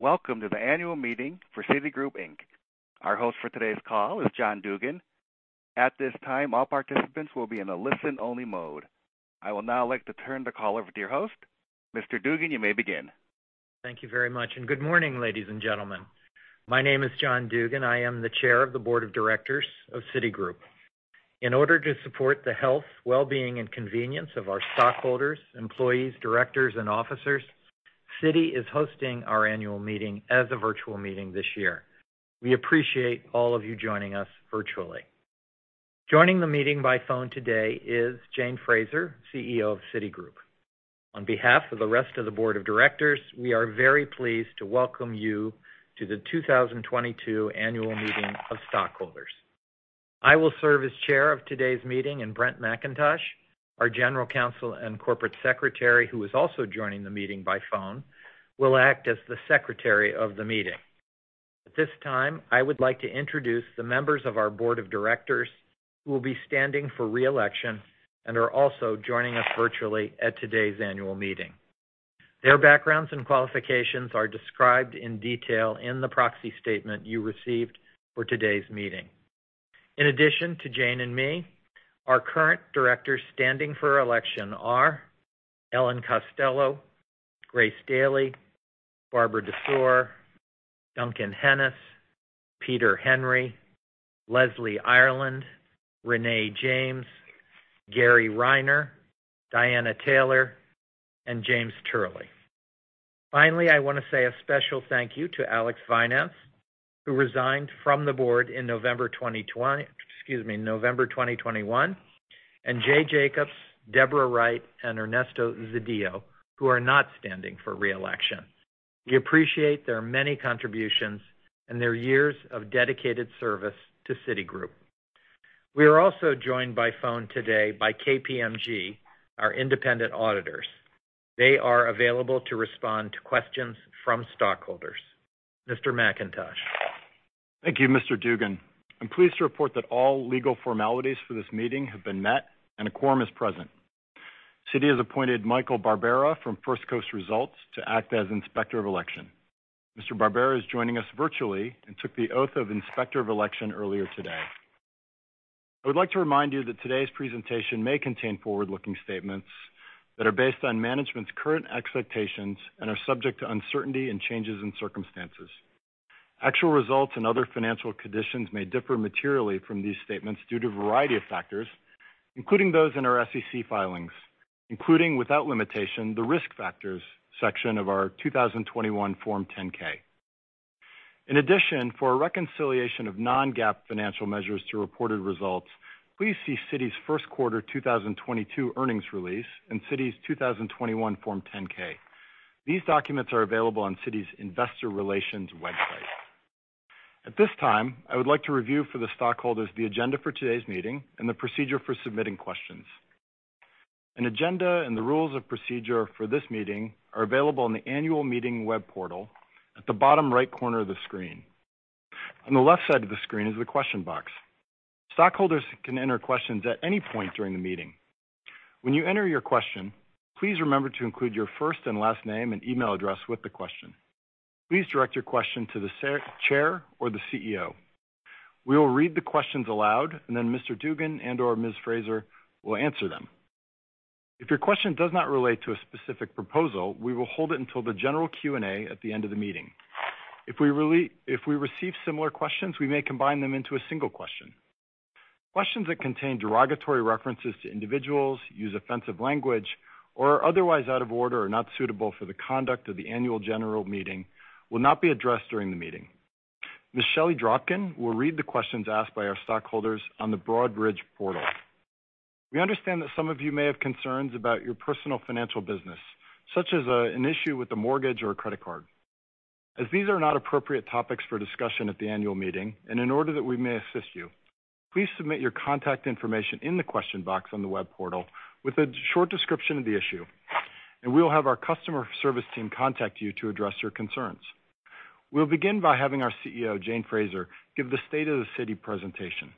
Welcome to the annual meeting for Citigroup Inc. Our host for today's call is John Dugan. At this time, all participants will be in a listen-only mode. I will now like to turn the call over to your host. Mr. Dugan, you may begin. Thank you very much, and good morning, ladies and gentlemen. My name is John Dugan. I am the Chair of the Board of Directors of Citigroup. In order to support the health, well-being, and convenience of our stockholders, employees, directors, and officers, Citi is hosting our annual meeting as a virtual meeting this year. We appreciate all of you joining us virtually. Joining the meeting by phone today is Jane Fraser, CEO of Citigroup. On behalf of the rest of the board of directors, we are very pleased to welcome you to the 2022 annual meeting of stockholders. I will serve as chair of today's meeting, and Brent McIntosh, our General Counsel and Corporate Secretary, who is also joining the meeting by phone, will act as the secretary of the meeting. At this time, I would like to introduce the members of our board of directors who will be standing for re-election and are also joining us virtually at today's annual meeting. Their backgrounds and qualifications are described in detail in the proxy statement you received for today's meeting. In addition to Jane and me, our current directors standing for election are Ellen M. Costello, Grace Dailey, Barbara Desoer, Duncan Hennes, Peter B. Henry, S. Leslie Ireland, Renée J. James, Gary Reiner, Diana L. Taylor, and James S. Turley. Finally, I want to say a special thank you to Alexander Wynaendts, who resigned from the board in November 2021, and Lew W. (Jay) Jacobs, Deborah C. Wright, and Ernesto Zedillo, who are not standing for re-election. We appreciate their many contributions and their years of dedicated service to Citigroup. We are also joined by phone today by KPMG, our independent auditors. They are available to respond to questions from stockholders. Mr. McIntosh. Thank you, Mr. Dugan. I'm pleased to report that all legal formalities for this meeting have been met and a quorum is present. Citi has appointed Michael Barbera from First Coast Results to act as Inspector of Election. Mr. Barbera is joining us virtually and took the oath of Inspector of Election earlier today. I would like to remind you that today's presentation may contain forward-looking statements that are based on management's current expectations and are subject to uncertainty and changes in circumstances. Actual results and other financial conditions may differ materially from these statements due to a variety of factors, including those in our SEC filings, including, without limitation, the Risk Factors section of our 2021 Form 10-K. In addition, for a reconciliation of non-GAAP financial measures to reported results, please see Citi's Q1 2022 Earnings Release and Citi's 2021 Form 10-K. These documents are available on Citi's investor relations website. At this time, I would like to review for the stockholders the agenda for today's meeting and the procedure for submitting questions. An agenda and the rules of procedure for this meeting are available on the annual meeting web portal at the bottom right corner of the screen. On the left side of the screen is the question box. Stockholders can enter questions at any point during the meeting. When you enter your question, please remember to include your first and last name and email address with the question. Please direct your question to the chair or the CEO. We will read the questions aloud and then Mr. Dugan and/or Ms. Fraser will answer them. If your question does not relate to a specific proposal, we will hold it until the general Q&A at the end of the meeting. If we receive similar questions, we may combine them into a single question. Questions that contain derogatory references to individuals, use offensive language, or are otherwise out of order or not suitable for the conduct of the annual general meeting will not be addressed during the meeting. Ms. Shelley Dropkin will read the questions asked by our stockholders on the Broadridge portal. We understand that some of you may have concerns about your personal financial business, such as an issue with a mortgage or a credit card. As these are not appropriate topics for discussion at the annual meeting, and in order that we may assist you, please submit your contact information in the question box on the web portal with a short description of the issue, and we will have our customer service team contact you to address your concerns. We'll begin by having our CEO, Jane Fraser, give the State of the City presentation.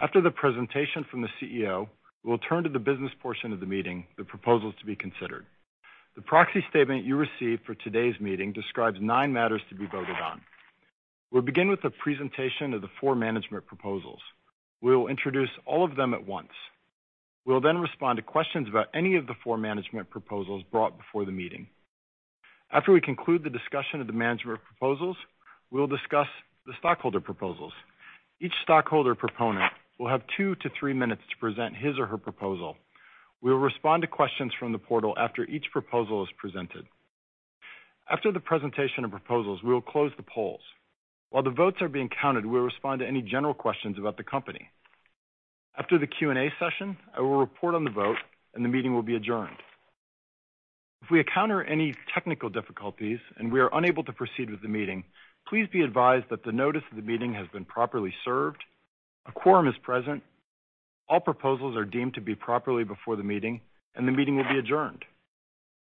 After the presentation from the CEO, we'll turn to the business portion of the meeting, the proposals to be considered. The proxy statement you received for today's meeting describes 9 matters to be voted on. We'll begin with a presentation of the 4 management proposals. We will introduce all of them at once. We'll then respond to questions about any of the 4 management proposals brought before the meeting. After we conclude the discussion of the management proposals, we will discuss the stockholder proposals. Each stockholder proponent will have 2 to 3 minutes to present his or her proposal. We will respond to questions from the portal after each proposal is presented. After the presentation of proposals, we will close the polls. While the votes are being counted, we will respond to any general questions about the company. After the Q&A session, I will report on the vote, and the meeting will be adjourned. If we encounter any technical difficulties and we are unable to proceed with the meeting, please be advised that the notice of the meeting has been properly served, a quorum is present, all proposals are deemed to be properly before the meeting, and the meeting will be adjourned.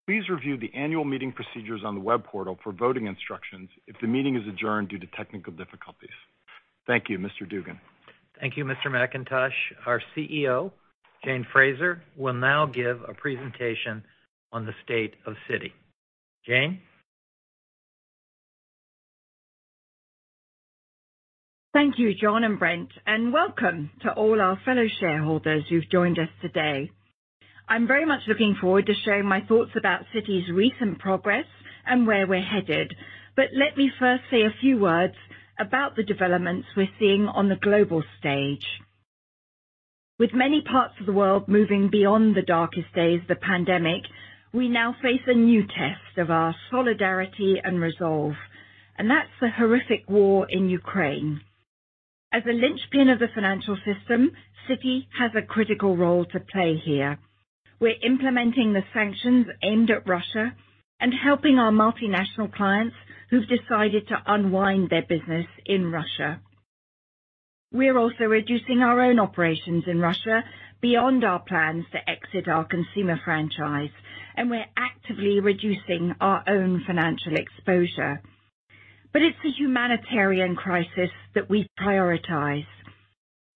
Please review the annual meeting procedures on the web portal for voting instructions if the meeting is adjourned due to technical difficulties. Thank you, Mr. Dugan. Thank you, Mr. McIntosh. Our CEO, Jane Fraser, will now give a presentation on the state of Citi. Jane? Thank you, John Dugan and Brent McIntosh, and welcome to all our fellow shareholders who've joined us today. I'm very much looking forward to sharing my thoughts about Citi's recent progress and where we're headed. Let me first say a few words about the developments we're seeing on the global stage. With many parts of the world moving beyond the darkest days of the pandemic, we now face a new test of our solidarity and resolve, and that's the horrific war in Ukraine. As a linchpin of the financial system, Citi has a critical role to play here. We're implementing the sanctions aimed at Russia and helping our multinational clients who've decided to unwind their business in Russia. We're also reducing our own operations in Russia beyond our plans to exit our consumer franchise, and we're actively reducing our own financial exposure. It's the humanitarian crisis that we prioritize.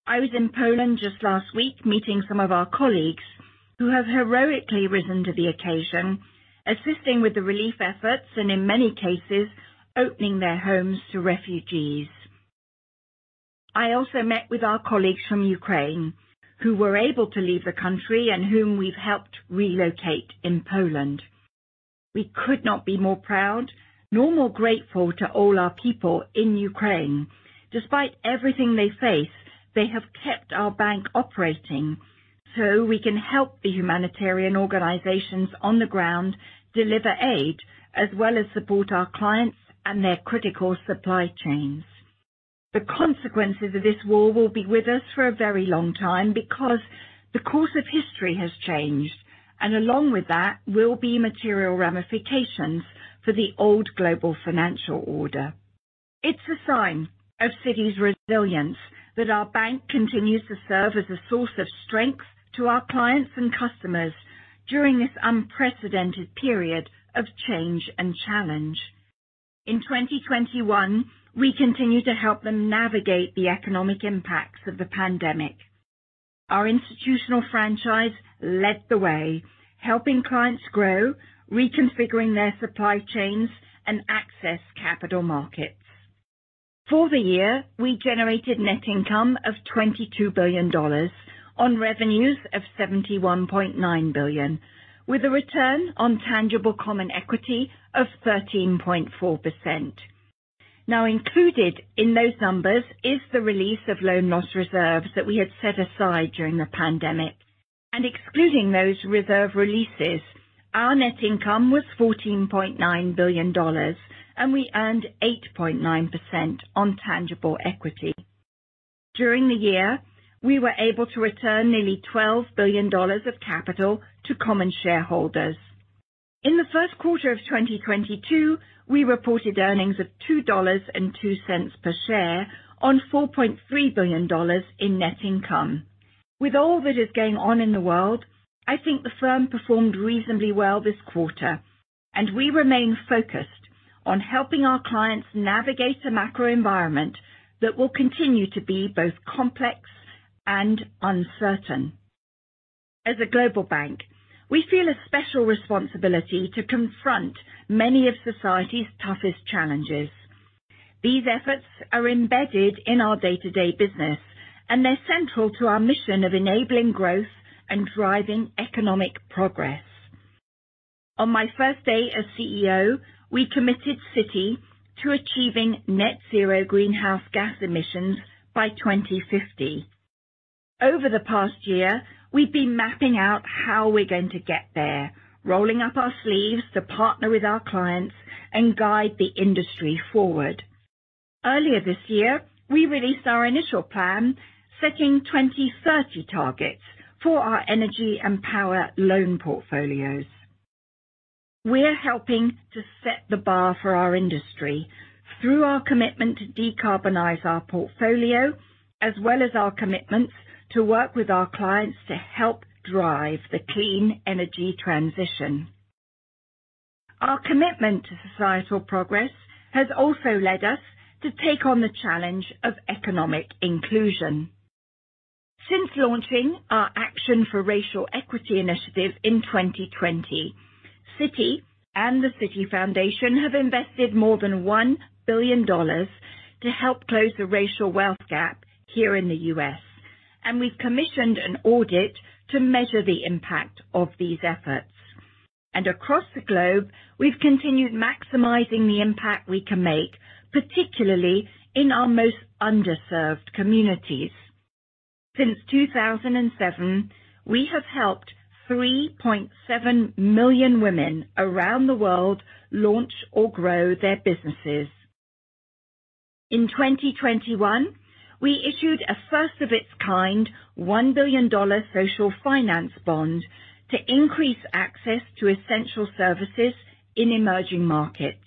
I was in Poland just last week, meeting some of our colleagues who have heroically risen to the occasion, assisting with the relief efforts and, in many cases, opening their homes to refugees. I also met with our colleagues from Ukraine who were able to leave the country and whom we've helped relocate in Poland. We could not be more proud, nor more grateful to all our people in Ukraine. Despite everything they face, they have kept our bank operating so we can help the humanitarian organizations on the ground deliver aid, as well as support our clients and their critical supply chains. The consequences of this war will be with us for a very long time because the course of history has changed, and along with that will be material ramifications for the old global financial order. It's a sign of Citi's resilience that our bank continues to serve as a source of strength to our clients and customers during this unprecedented period of change and challenge. In 2021, we continued to help them navigate the economic impacts of the pandemic. Our institutional franchise led the way, helping clients grow, reconfiguring their supply chains, and access capital markets. For the year, we generated net income of $22 billion on revenues of $71.9 billion, with a return on tangible common equity of 13.4%. Now, included in those numbers is the release of loan loss reserves that we had set aside during the pandemic. Excluding those reserve releases, our net income was $14.9 billion, and we earned 8.9% on tangible equity. During the year, we were able to return nearly $12 billion of capital to common shareholders. In the Q1 of 2022, we reported earnings of $2.02 per share on $4.3 billion in net income. With all that is going on in the world, I think the firm performed reasonably well this quarter, and we remain focused on helping our clients navigate a macro environment that will continue to be both complex and uncertain. As a global bank, we feel a special responsibility to confront many of society's toughest challenges. These efforts are embedded in our day-to-day business, and they're central to our mission of enabling growth and driving economic progress. On my first day as CEO, we committed Citi to achieving net zero greenhouse gas emissions by 2050. Over the past year, we've been mapping out how we're going to get there, rolling up our sleeves to partner with our clients and guide the industry forward. Earlier this year, we released our initial plan, setting 2030 targets for our energy and power loan portfolios. We're helping to set the bar for our industry through our commitment to decarbonize our portfolio, as well as our commitments to work with our clients to help drive the clean energy transition. Our commitment to societal progress has also led us to take on the challenge of economic inclusion. Since launching our Action for Racial Equity initiative in 2020, Citi and the Citi Foundation have invested more than $1 billion to help close the racial wealth gap here in the U.S., and we've commissioned an audit to measure the impact of these efforts. Across the globe, we've continued maximizing the impact we can make, particularly in our most underserved communities. Since 2007, we have helped 3.7 million women around the world launch or grow their businesses. In 2021, we issued a first of its kind, $1 billion social finance bond to increase access to essential services in emerging markets.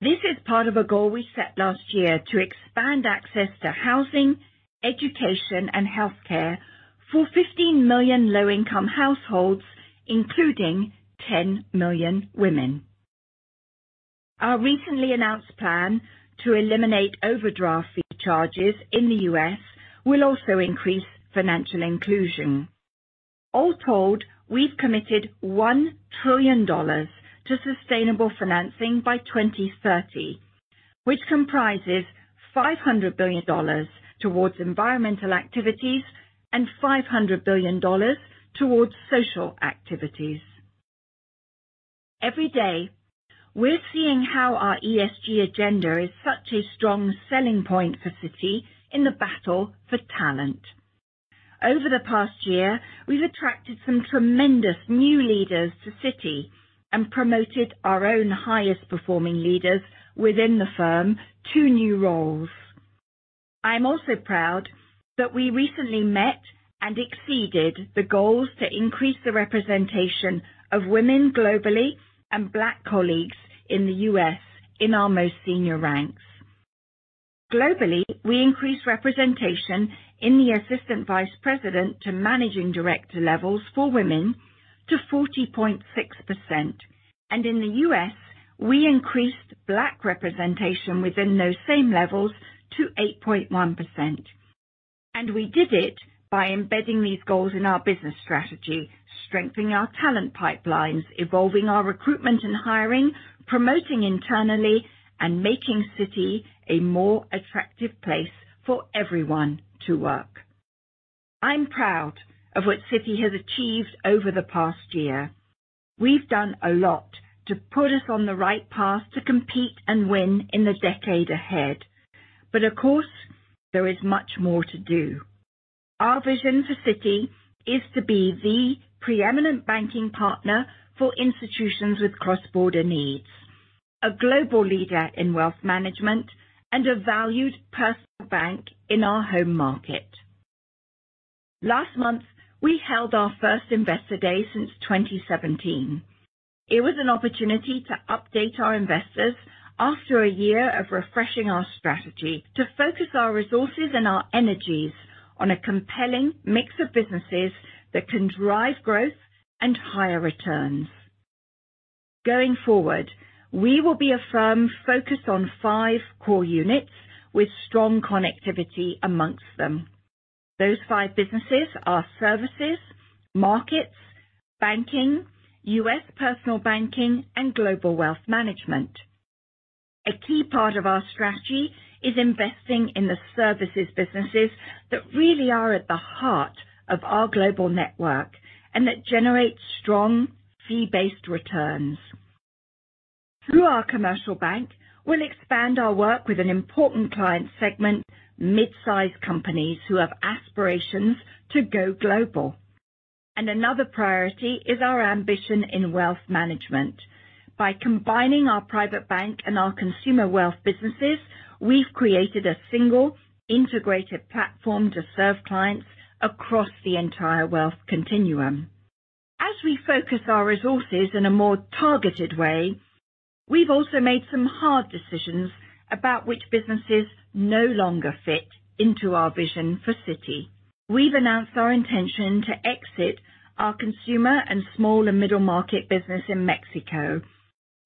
This is part of a goal we set last year to expand access to housing, education, and healthcare for 15 million low-income households, including 10 million women. Our recently announced plan to eliminate overdraft fee charges in the U.S. will also increase financial inclusion. All told, we've committed $1 trillion to sustainable financing by 2030, which comprises $500 billion towards environmental activities and $500 billion towards social activities. Every day, we're seeing how our ESG agenda is such a strong selling point for Citi in the battle for talent. Over the past year, we've attracted some tremendous new leaders to Citi and promoted our own highest performing leaders within the firm to new roles. I'm also proud that we recently met and exceeded the goals to increase the representation of women globally and Black colleagues in the U.S. in our most senior ranks. Globally, we increased representation in the assistant vice president to managing director levels for women to 40.6%, and in the U.S., we increased Black representation within those same levels to 8.1%. We did it by embedding these goals in our business strategy, strengthening our talent pipelines, evolving our recruitment and hiring, promoting internally, and making Citi a more attractive place for everyone to work. I'm proud of what Citi has achieved over the past year. We've done a lot to put us on the right path to compete and win in the decade ahead. Of course, there is much more to do. Our vision for Citi is to be the preeminent banking partner for institutions with cross-border needs, a global leader in wealth management, and a valued personal bank in our home market. Last month, we held our first Investor Day since 2017. It was an opportunity to update our investors after a year of refreshing our strategy to focus our resources and our energies on a compelling mix of businesses that can drive growth and higher returns. Going forward, we will be a firm focused on five core units with strong connectivity amongst them. Those five businesses are Services, Markets, Banking, U.S. Personal Banking, and Global Wealth Management. A key part of our strategy is investing in the services businesses that really are at the heart of our global network and that generate strong fee-based returns. Through our commercial bank, we'll expand our work with an important client segment, mid-sized companies who have aspirations to go global. Another priority is our ambition in wealth management. By combining our private bank and our consumer wealth businesses, we've created a single integrated platform to serve clients across the entire wealth continuum. As we focus our resources in a more targeted way, we've also made some hard decisions about which businesses no longer fit into our vision for Citi. We've announced our intention to exit our consumer and small and middle market business in Mexico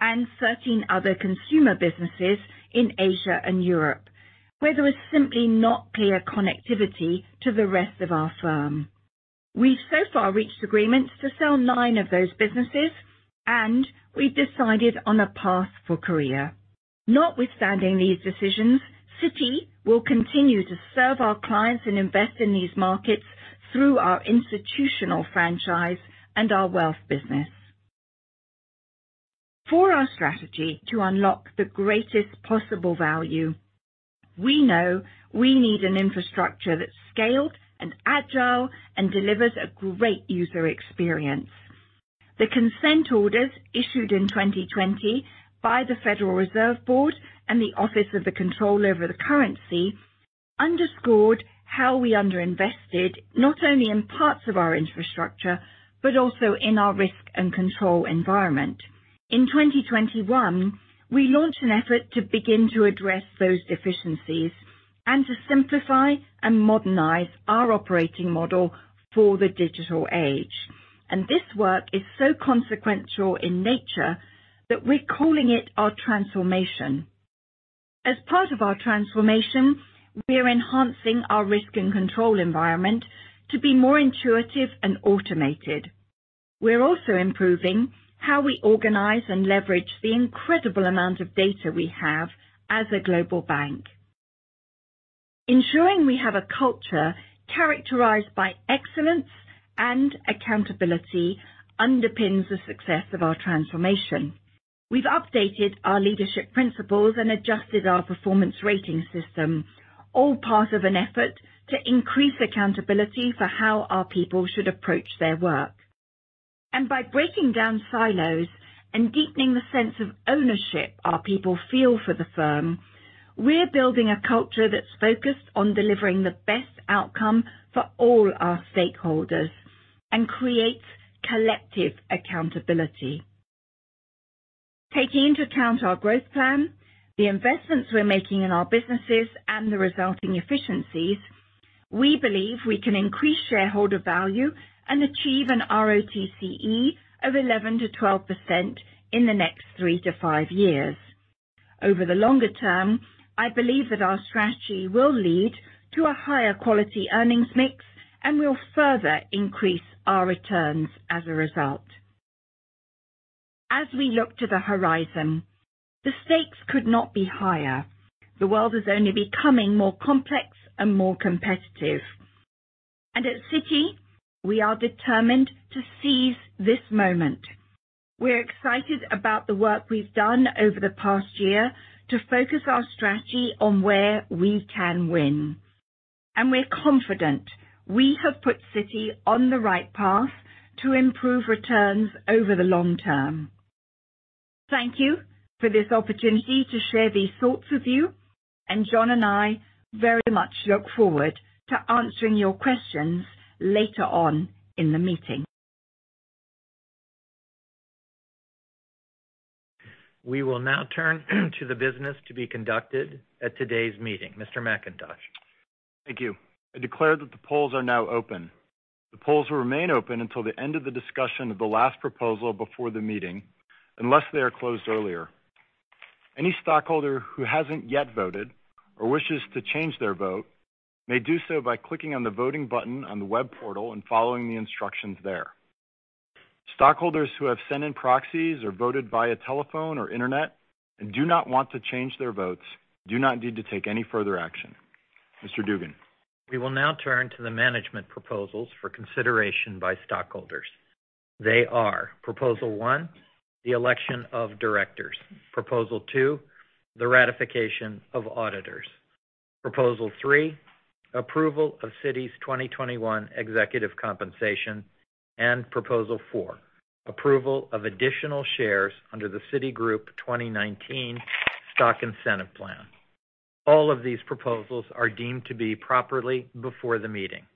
and 13 other consumer businesses in Asia and Europe, where there was simply not clear connectivity to the rest of our firm. We so far reached agreements to sell 9 of those businesses, and we've decided on a path for Korea. Notwithstanding these decisions, Citi will continue to serve our clients and invest in these markets through our institutional franchise and our wealth business. For our strategy to unlock the greatest possible value, we know we need an infrastructure that's scaled and agile and delivers a great user experience. The consent orders issued in 2020 by the Federal Reserve Board and the Office of the Comptroller of the Currency underscored how we underinvested not only in parts of our infrastructure, but also in our risk and control environment. In 2021, we launched an effort to begin to address those deficiencies and to simplify and modernize our operating model for the digital age. This work is so consequential in nature that we're calling it our transformation. As part of our transformation, we are enhancing our risk and control environment to be more intuitive and automated. We're also improving how we organize and leverage the incredible amount of data we have as a global bank. Ensuring we have a culture characterized by excellence and accountability underpins the success of our transformation. We've updated our leadership principles and adjusted our performance rating system, all part of an effort to increase accountability for how our people should approach their work. By breaking down silos and deepening the sense of ownership our people feel for the firm, we're building a culture that's focused on delivering the best outcome for all our stakeholders and creates collective accountability. Taking into account our growth plan, the investments we're making in our businesses and the resulting efficiencies, we believe we can increase shareholder value and achieve an ROTCE of 11%-12% in the next three to five years. Over the longer term, I believe that our strategy will lead to a higher quality earnings mix and will further increase our returns as a result. As we look to the horizon, the stakes could not be higher. The world is only becoming more complex and more competitive. At Citi, we are determined to seize this moment. We're excited about the work we've done over the past year to focus our strategy on where we can win. We're confident we have put Citi on the right path to improve returns over the long term. Thank you for this opportunity to share these thoughts with you, and John and I very much look forward to answering your questions later on in the meeting. We will now turn to the business to be conducted at today's meeting. Mr. McIntosh. Thank you. I declare that the polls are now open. The polls will remain open until the end of the discussion of the last proposal before the meeting, unless they are closed earlier. Any stockholder who hasn't yet voted or wishes to change their vote may do so by clicking on the voting button on the web portal and following the instructions there. Stockholders who have sent in proxies or voted via telephone or internet and do not want to change their votes do not need to take any further action. Mr. Dugan. We will now turn to the management proposals for consideration by stockholders. They are, Proposal 1, the election of directors. Proposal 2, the ratification of auditors. Proposal 3, approval of Citi's 2021 executive compensation. Proposal 4, approval of additional shares under the Citigroup 2019 Stock Incentive Plan. All of these proposals are deemed to be properly before the meeting.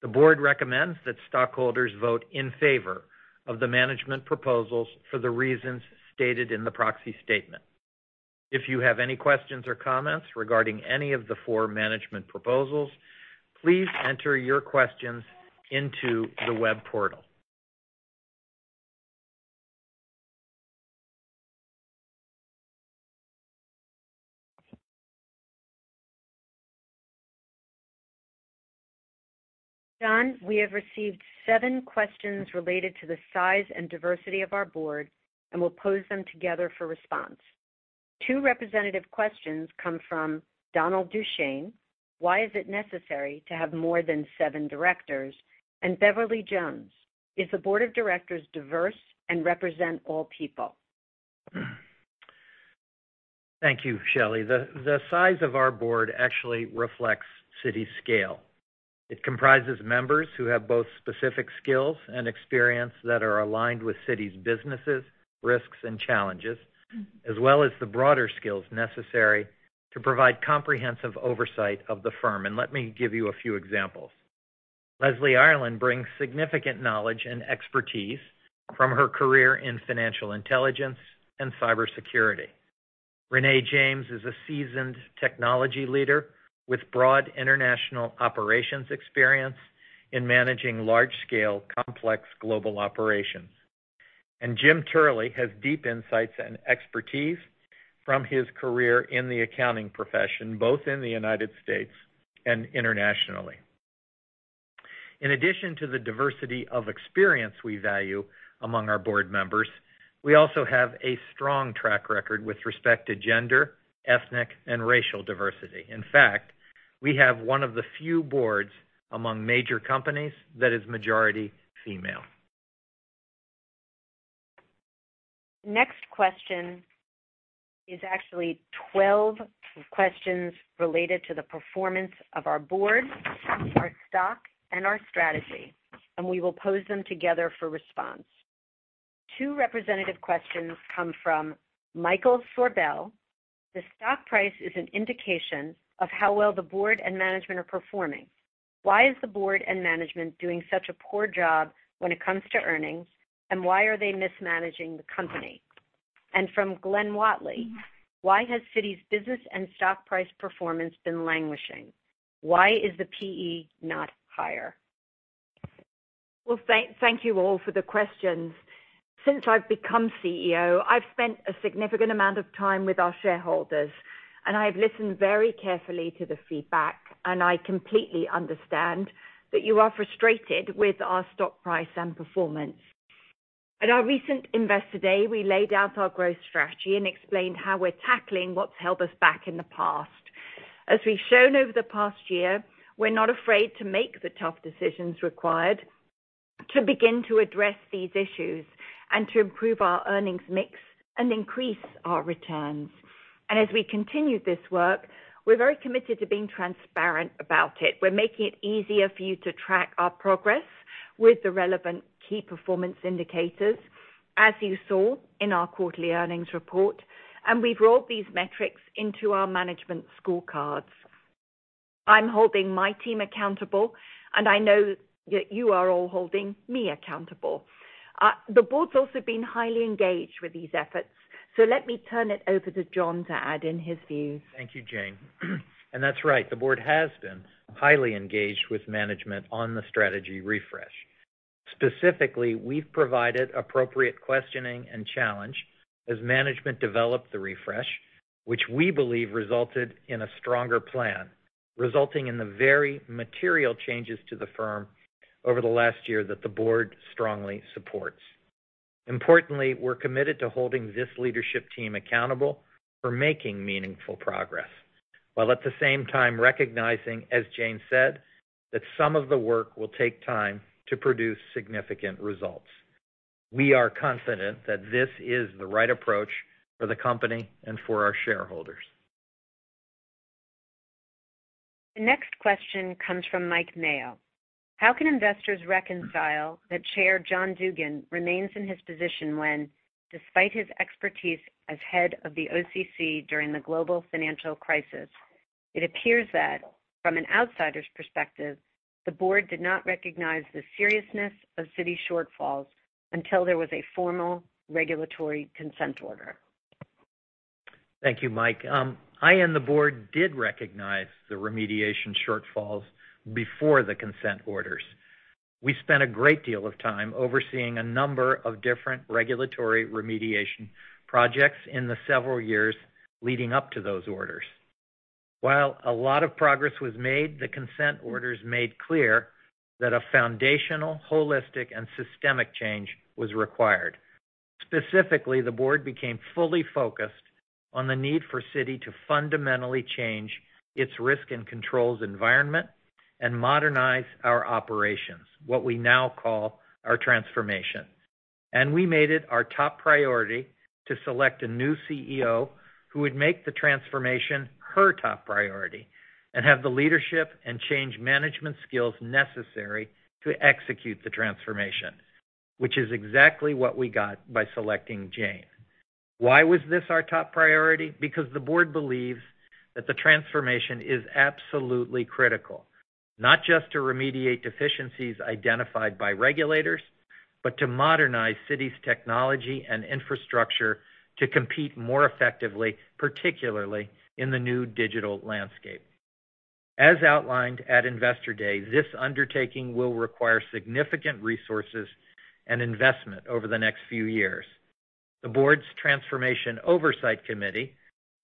The board recommends that stockholders vote in favor of the management proposals for the reasons stated in the proxy statement. If you have any questions or comments regarding any of the four management proposals, please enter your questions into the web portal. John Dugan, we have received seven questions related to the size and diversity of our board, and we'll pose them together for response. Two representative questions come from Donald Duchesne. Why is it necessary to have more than seven directors? Beverly Jones, is the board of directors diverse and represent all people? Thank you, Shelley. The size of our board actually reflects Citi's scale. It comprises members who have both specific skills and experience that are aligned with Citi's businesses, risks and challenges, as well as the broader skills necessary to provide comprehensive oversight of the firm. Let me give you a few examples. Leslie Ireland brings significant knowledge and expertise from her career in financial intelligence and cybersecurity. Renée James is a seasoned technology leader with broad international operations experience in managing large-scale, complex global operations. And Jim Turley has deep insights and expertise from his career in the accounting profession, both in the United States and internationally. In addition to the diversity of experience we value among our board members, we also have a strong track record with respect to gender, ethnic, and racial diversity. In fact, we have one of the few boards among major companies that is majority female. Next question is actually twelve questions related to the performance of our board, our stock, and our strategy, and we will pose them together for response. Two representative questions come from Michael Sorbell. The stock price is an indication of how well the board and management are performing. Why is the board and management doing such a poor job when it comes to earnings, and why are they mismanaging the company? From Glenn Watley, why has Citi's business and stock price performance been languishing? Why is the P/E not higher? Well, thank you all for the questions. Since I've become CEO, I've spent a significant amount of time with our shareholders, and I have listened very carefully to the feedback, and I completely understand that you are frustrated with our stock price and performance. At our recent Investor Day, we laid out our growth strategy and explained how we're tackling what's held us back in the past. As we've shown over the past year, we're not afraid to make the tough decisions required to begin to address these issues and to improve our earnings mix and increase our returns. As we continue this work, we're very committed to being transparent about it. We're making it easier for you to track our progress with the relevant key performance indicators, as you saw in our quarterly earnings report, and we've rolled these metrics into our management scorecards. I'm holding my team accountable, and I know that you are all holding me accountable. The board's also been highly engaged with these efforts. Let me turn it over to John to add in his views. Thank you, Jane. That's right, the Board has been highly engaged with Management on the strategy refresh. Specifically, we've provided appropriate questioning and challenge as Management developed the refresh, which we believe resulted in a stronger plan, resulting in the very material changes to the firm over the last year that the Board strongly supports. Importantly, we're committed to holding this leadership team accountable for making meaningful progress, while at the same time recognizing, as Jane said, that some of the work will take time to produce significant results. We are confident that this is the right approach for the company and for our shareholders. The next question comes from Mike Mayo. How can investors reconcile that Chair John Dugan remains in his position when, despite his expertise as head of the OCC during the global financial crisis, it appears that, from an outsider's perspective, the board did not recognize the seriousness of Citi shortfalls until there was a formal regulatory consent order. Thank you, Mike. I and the board did recognize the remediation shortfalls before the consent orders. We spent a great deal of time overseeing a number of different regulatory remediation projects in the several years leading up to those orders. While a lot of progress was made, the consent orders made clear that a foundational, holistic, and systemic change was required. Specifically, the board became fully focused on the need for Citi to fundamentally change its risk and controls environment and modernize our operations, what we now call our transformation. We made it our top priority to select a new CEO who would make the transformation her top priority and have the leadership and change management skills necessary to execute the transformation, which is exactly what we got by selecting Jane. Why was this our top priority? Because the board believes that the transformation is absolutely critical. Not just to remediate deficiencies identified by regulators, but to modernize Citi's technology and infrastructure to compete more effectively, particularly in the new digital landscape. As outlined at Investor Day, this undertaking will require significant resources and investment over the next few years. The board's transformation oversight committee,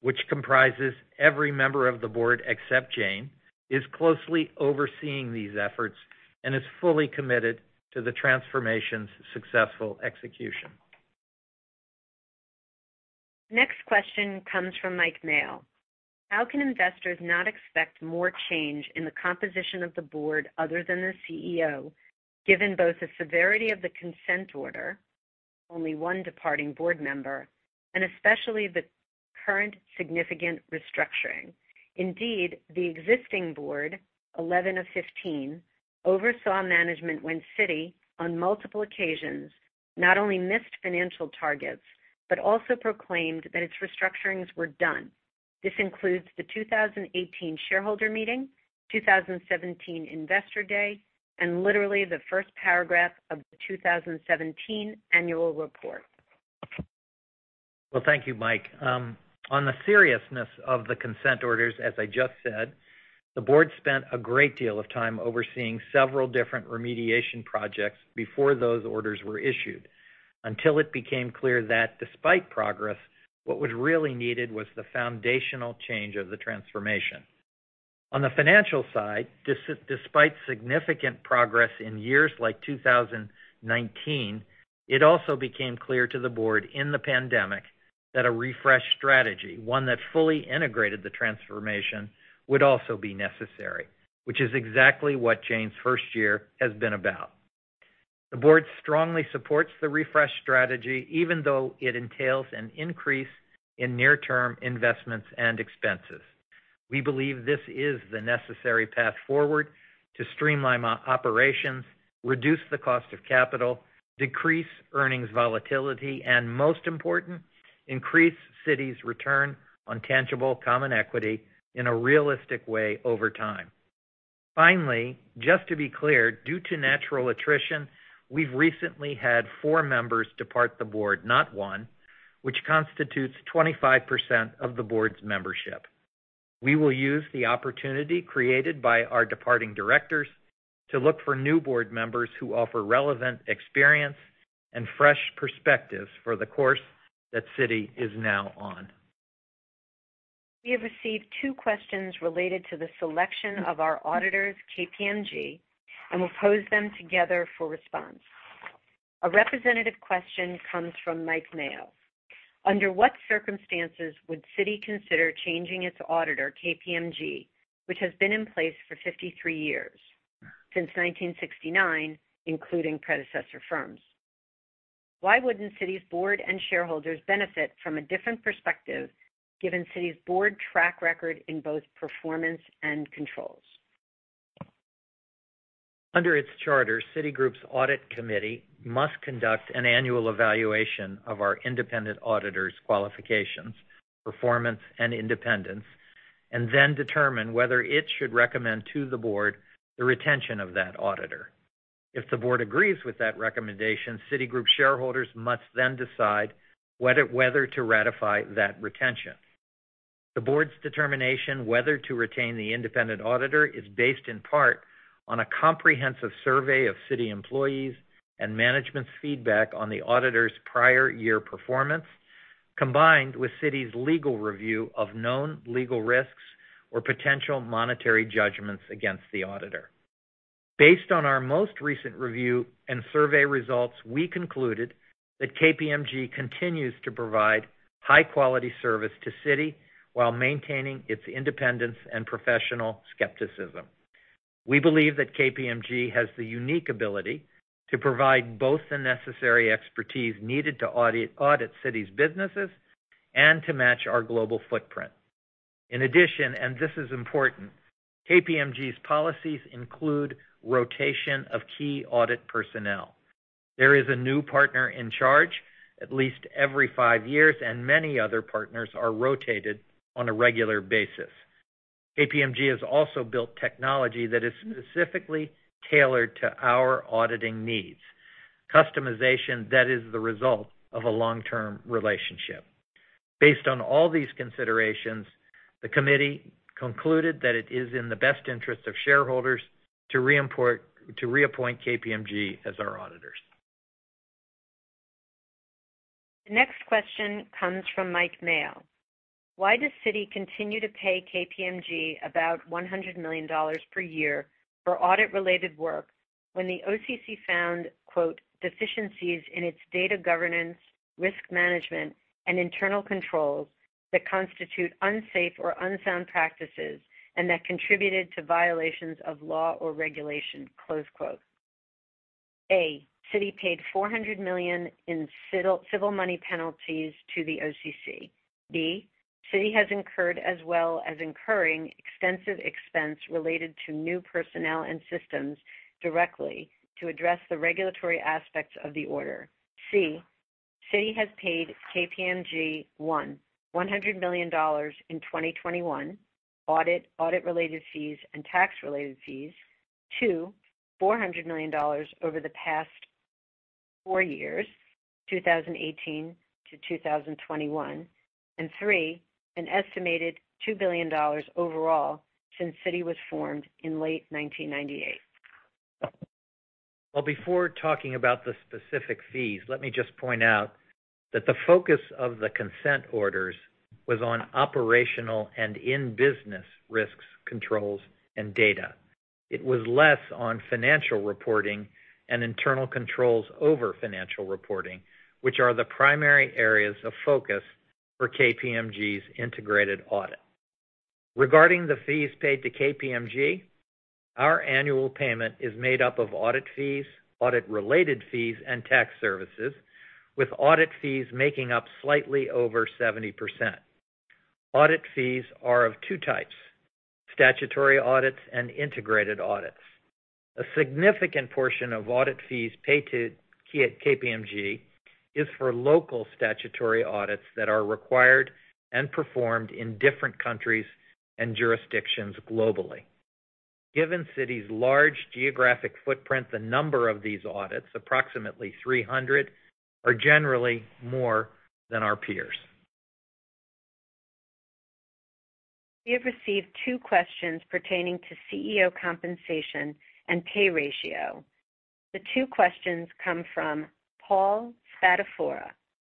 which comprises every member of the board except Jane, is closely overseeing these efforts and is fully committed to the transformation's successful execution. Next question comes from Mike Mayo. How can investors not expect more change in the composition of the board other than the CEO, given both the severity of the consent order, only one departing board member, and especially the current significant restructuring? Indeed, the existing board, 11 of 15, oversaw management when Citi, on multiple occasions, not only missed financial targets, but also proclaimed that its restructurings were done. This includes the 2018 shareholder meeting, 2017 Investor Day, and literally the first paragraph of the 2017 annual report. Well, thank you, Mike. On the seriousness of the consent orders, as I just said, the board spent a great deal of time overseeing several different remediation projects before those orders were issued, until it became clear that despite progress, what was really needed was the foundational change of the transformation. On the financial side, despite significant progress in years like 2019, it also became clear to the board in the pandemic that a refreshed strategy, one that fully integrated the transformation, would also be necessary, which is exactly what Jane's first year has been about. The board strongly supports the refresh strategy, even though it entails an increase in near-term investments and expenses. We believe this is the necessary path forward to streamline operations, reduce the cost of capital, decrease earnings volatility, and most important, increase Citi's return on tangible common equity in a realistic way over time. Finally, just to be clear, due to natural attrition, we've recently had four members depart the board, not one, which constitutes 25% of the board's membership. We will use the opportunity created by our departing directors to look for new board members who offer relevant experience and fresh perspectives for the course that Citi is now on. We have received two questions related to the selection of our auditors, KPMG, and we'll pose them together for response. A representative question comes from Mike Mayo. Under what circumstances would Citi consider changing its auditor, KPMG, which has been in place for 53 years, since 1969, including predecessor firms? Why wouldn't Citi's board and shareholders benefit from a different perspective given Citi's board track record in both performance and controls? Under its charter, Citigroup's audit committee must conduct an annual evaluation of our independent auditor's qualifications, performance and independence, and then determine whether it should recommend to the board the retention of that auditor. If the board agrees with that recommendation, Citigroup shareholders must then decide whether to ratify that retention. The board's determination whether to retain the independent auditor is based in part on a comprehensive survey of Citi employees and management's feedback on the auditor's prior year performance, combined with Citi's legal review of known legal risks or potential monetary judgments against the auditor. Based on our most recent review and survey results, we concluded that KPMG continues to provide high-quality service to Citi while maintaining its independence and professional skepticism. We believe that KPMG has the unique ability to provide both the necessary expertise needed to audit Citi's businesses and to match our global footprint. In addition, and this is important, KPMG's policies include rotation of key audit personnel. There is a new partner in charge at least every five years, and many other partners are rotated on a regular basis. KPMG has also built technology that is specifically tailored to our auditing needs, customization that is the result of a long-term relationship. Based on all these considerations, the committee concluded that it is in the best interest of shareholders to reappoint KPMG as our auditors. The next question comes from Mike Mayo. Why does Citi continue to pay KPMG about $100 million per year for audit-related work when the OCC found, quote, "deficiencies in its data governance, risk management, and internal controls that constitute unsafe or unsound practices and that contributed to violations of law or regulation." Close quote. A, Citi paid $400 million in civil money penalties to the OCC. B, Citi has incurred as well as incurring extensive expense related to new personnel and systems directly to address the regulatory aspects of the order. C, Citi has paid KPMG, 1, $100 million in 2021 audit-related fees and tax-related fees. 2, $400 million over the past four years, 2018 to 2021. 3, an estimated $2 billion overall since Citi was formed in late 1998. Well, before talking about the specific fees, let me just point out that the focus of the consent orders was on operational and in-business risks, controls, and data. It was less on financial reporting and internal controls over financial reporting, which are the primary areas of focus for KPMG's integrated audit. Regarding the fees paid to KPMG, our annual payment is made up of audit fees, audit-related fees, and tax services, with audit fees making up slightly over 70%. Audit fees are of two types, statutory audits and integrated audits. A significant portion of audit fees paid to KPMG is for local statutory audits that are required and performed in different countries and jurisdictions globally. Given Citi's large geographic footprint, the number of these audits, approximately 300, are generally more than our peers. We have received two questions pertaining to CEO compensation and pay ratio. The two questions come from Paul Spadafora.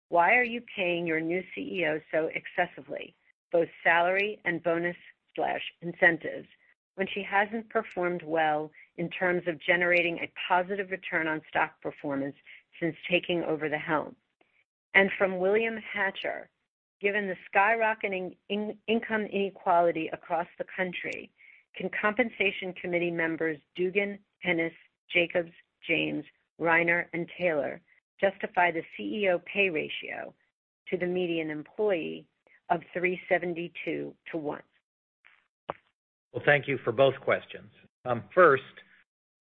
Why are you paying your new CEO so excessively, both salary and bonus/incentives, when she hasn't performed well in terms of generating a positive return on stock performance since taking over the helm? From William Hatcher, given the skyrocketing income inequality across the country, can Compensation Committee Members Dugan, Hennes, Jacobs, James, Reiner, and Taylor justify the CEO pay ratio to the median employee of 372-to-1? Well, thank you for both questions. First,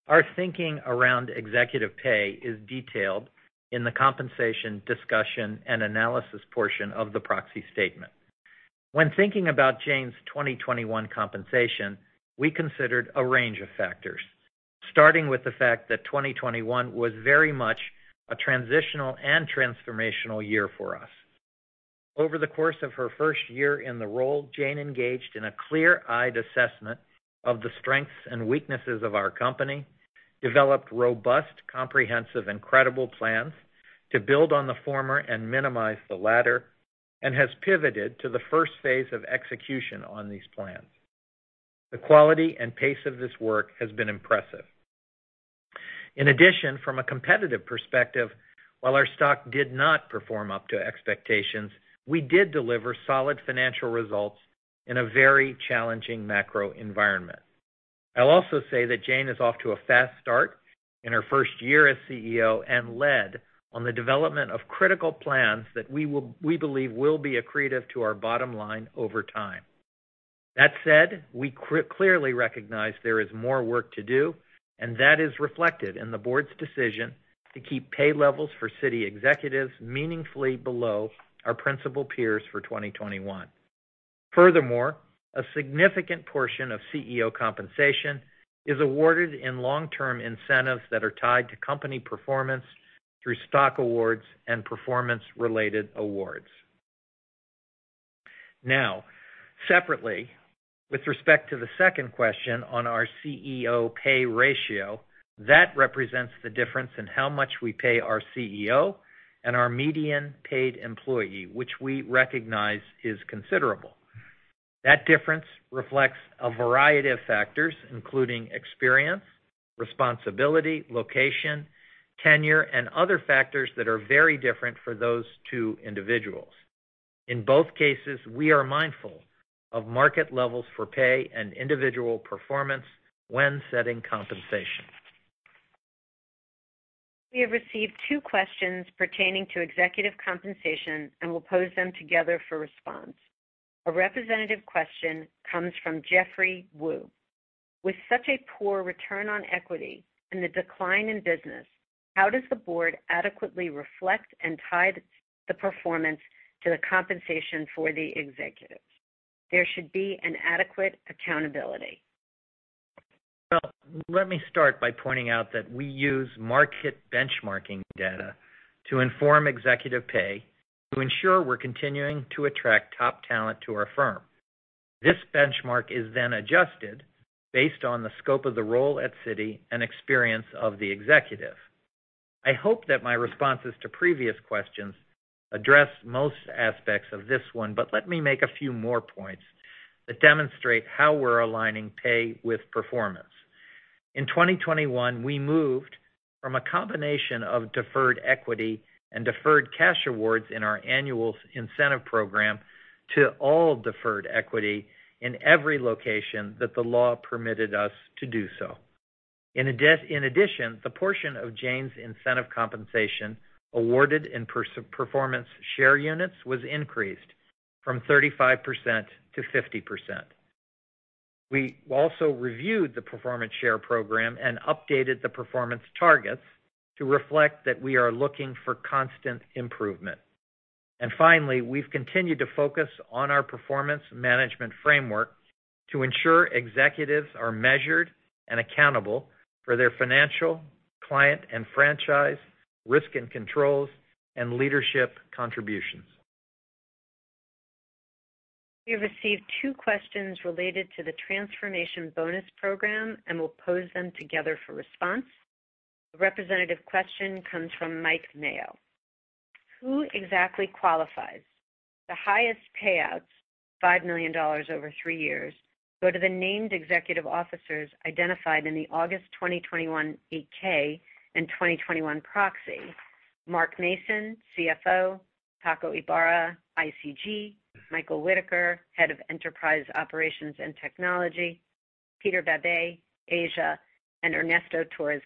our thinking around executive pay is detailed in the compensation discussion and analysis portion of the proxy statement. When thinking about Jane's 2021 compensation, we considered a range of factors, starting with the fact that 2021 was very much a transitional and transformational year for us. Over the course of her first year in the role, Jane engaged in a clear-eyed assessment of the strengths and weaknesses of our company, developed robust, comprehensive, and credible plans to build on the former and minimize the latter, and has pivoted to the first phase of execution on these plans. The quality and pace of this work has been impressive. In addition, from a competitive perspective, while our stock did not perform up to expectations, we did deliver solid financial results in a very challenging macro environment. I'll also say that Jane is off to a fast start in her first year as CEO and led on the development of critical plans that we believe will be accretive to our bottom line over time. That said, we clearly recognize there is more work to do, and that is reflected in the board's decision to keep pay levels for Citi executives meaningfully below our principal peers for 2021. Furthermore, a significant portion of CEO compensation is awarded in long-term incentives that are tied to company performance through stock awards and performance-related awards. Now, separately, with respect to the second question on our CEO pay ratio, that represents the difference in how much we pay our CEO and our median paid employee, which we recognize is considerable. That difference reflects a variety of factors, including experience, responsibility, location, tenure, and other factors that are very different for those two individuals. In both cases, we are mindful of market levels for pay and individual performance when setting compensation. We have received two questions pertaining to executive compensation and will pose them together for response. A representative question comes from Jeffrey Wu. With such a poor return on equity and the decline in business, how does the board adequately reflect and tie the performance to the compensation for the executives? There should be an adequate accountability. Well, let me start by pointing out that we use market benchmarking data to inform executive pay to ensure we're continuing to attract top talent to our firm. This benchmark is then adjusted based on the scope of the role at Citi and experience of the executive. I hope that my responses to previous questions address most aspects of this one, but let me make a few more points that demonstrate how we're aligning pay with performance. In 2021, we moved from a combination of deferred equity and deferred cash awards in our annual incentive program to all deferred equity in every location that the law permitted us to do so. In addition, the portion of Jane's incentive compensation awarded in performance share units was increased from 35% to 50%. We also reviewed the performance share program and updated the performance targets to reflect that we are looking for constant improvement. Finally, we've continued to focus on our performance management framework to ensure executives are measured and accountable for their financial, client, and franchise, risk and controls, and leadership contributions. We have received two questions related to the transformation bonus program and will pose them together for response. A representative question comes from Mike Mayo. Who exactly qualifies? The highest payouts, $5 million over three years, go to the named executive officers identified in the August 2021 8-K and 2021 proxy. Mark Mason, CFO, Paco Ybarra, ICG, Michael Whitaker, Head of Enterprise Operations and Technology, Peter Babej, Asia, and Ernesto Torres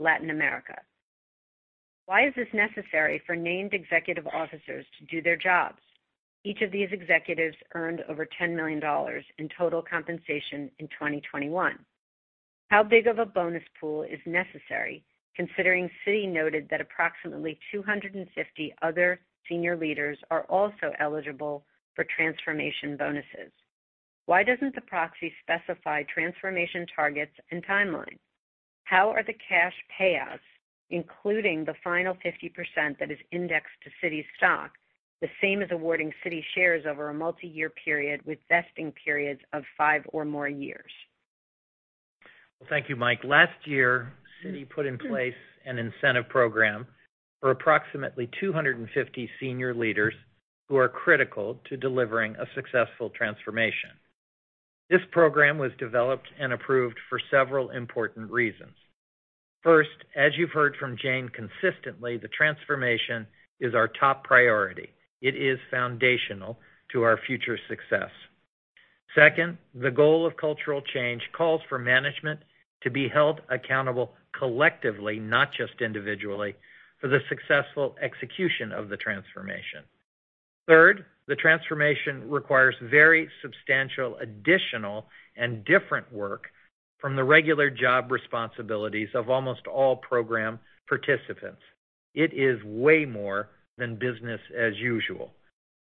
Cantú, Latin America. Why is this necessary for named executive officers to do their jobs? Each of these executives earned over $10 million in total compensation in 2021. How big of a bonus pool is necessary, considering Citi noted that approximately 250 other senior leaders are also eligible for transformation bonuses? Why doesn't the proxy specify transformation targets and timelines? How are the cash payouts, including the final 50% that is indexed to Citi stock, the same as awarding Citi shares over a multi-year period with vesting periods of five or more years? Well, thank you, Mike. Last year, Citi put in place an incentive program for approximately 250 senior leaders who are critical to delivering a successful transformation. This program was developed and approved for several important reasons. First, as you've heard from Jane consistently, the transformation is our top priority. It is foundational to our future success. Second, the goal of cultural change calls for management to be held accountable collectively, not just individually, for the successful execution of the transformation. Third, the transformation requires very substantial additional and different work from the regular job responsibilities of almost all program participants. It is way more than business as usual.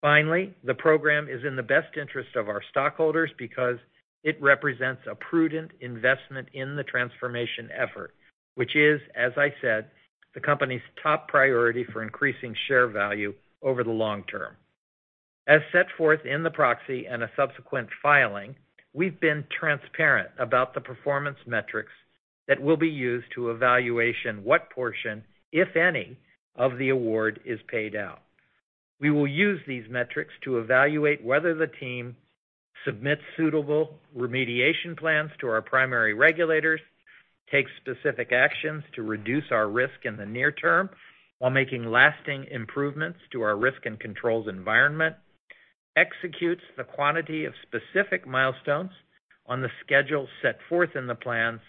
Finally, the program is in the best interest of our stockholders because it represents a prudent investment in the transformation effort, which is, as I said, the company's top priority for increasing share value over the long term. As set forth in the proxy and a subsequent filing, we've been transparent about the performance metrics that will be used to evaluate what portion, if any, of the award is paid out. We will use these metrics to evaluate whether the team submits suitable remediation plans to our primary regulators, takes specific actions to reduce our risk in the near term while making lasting improvements to our risk and controls environment, executes the quantity of specific milestones on the schedule set forth in the plans,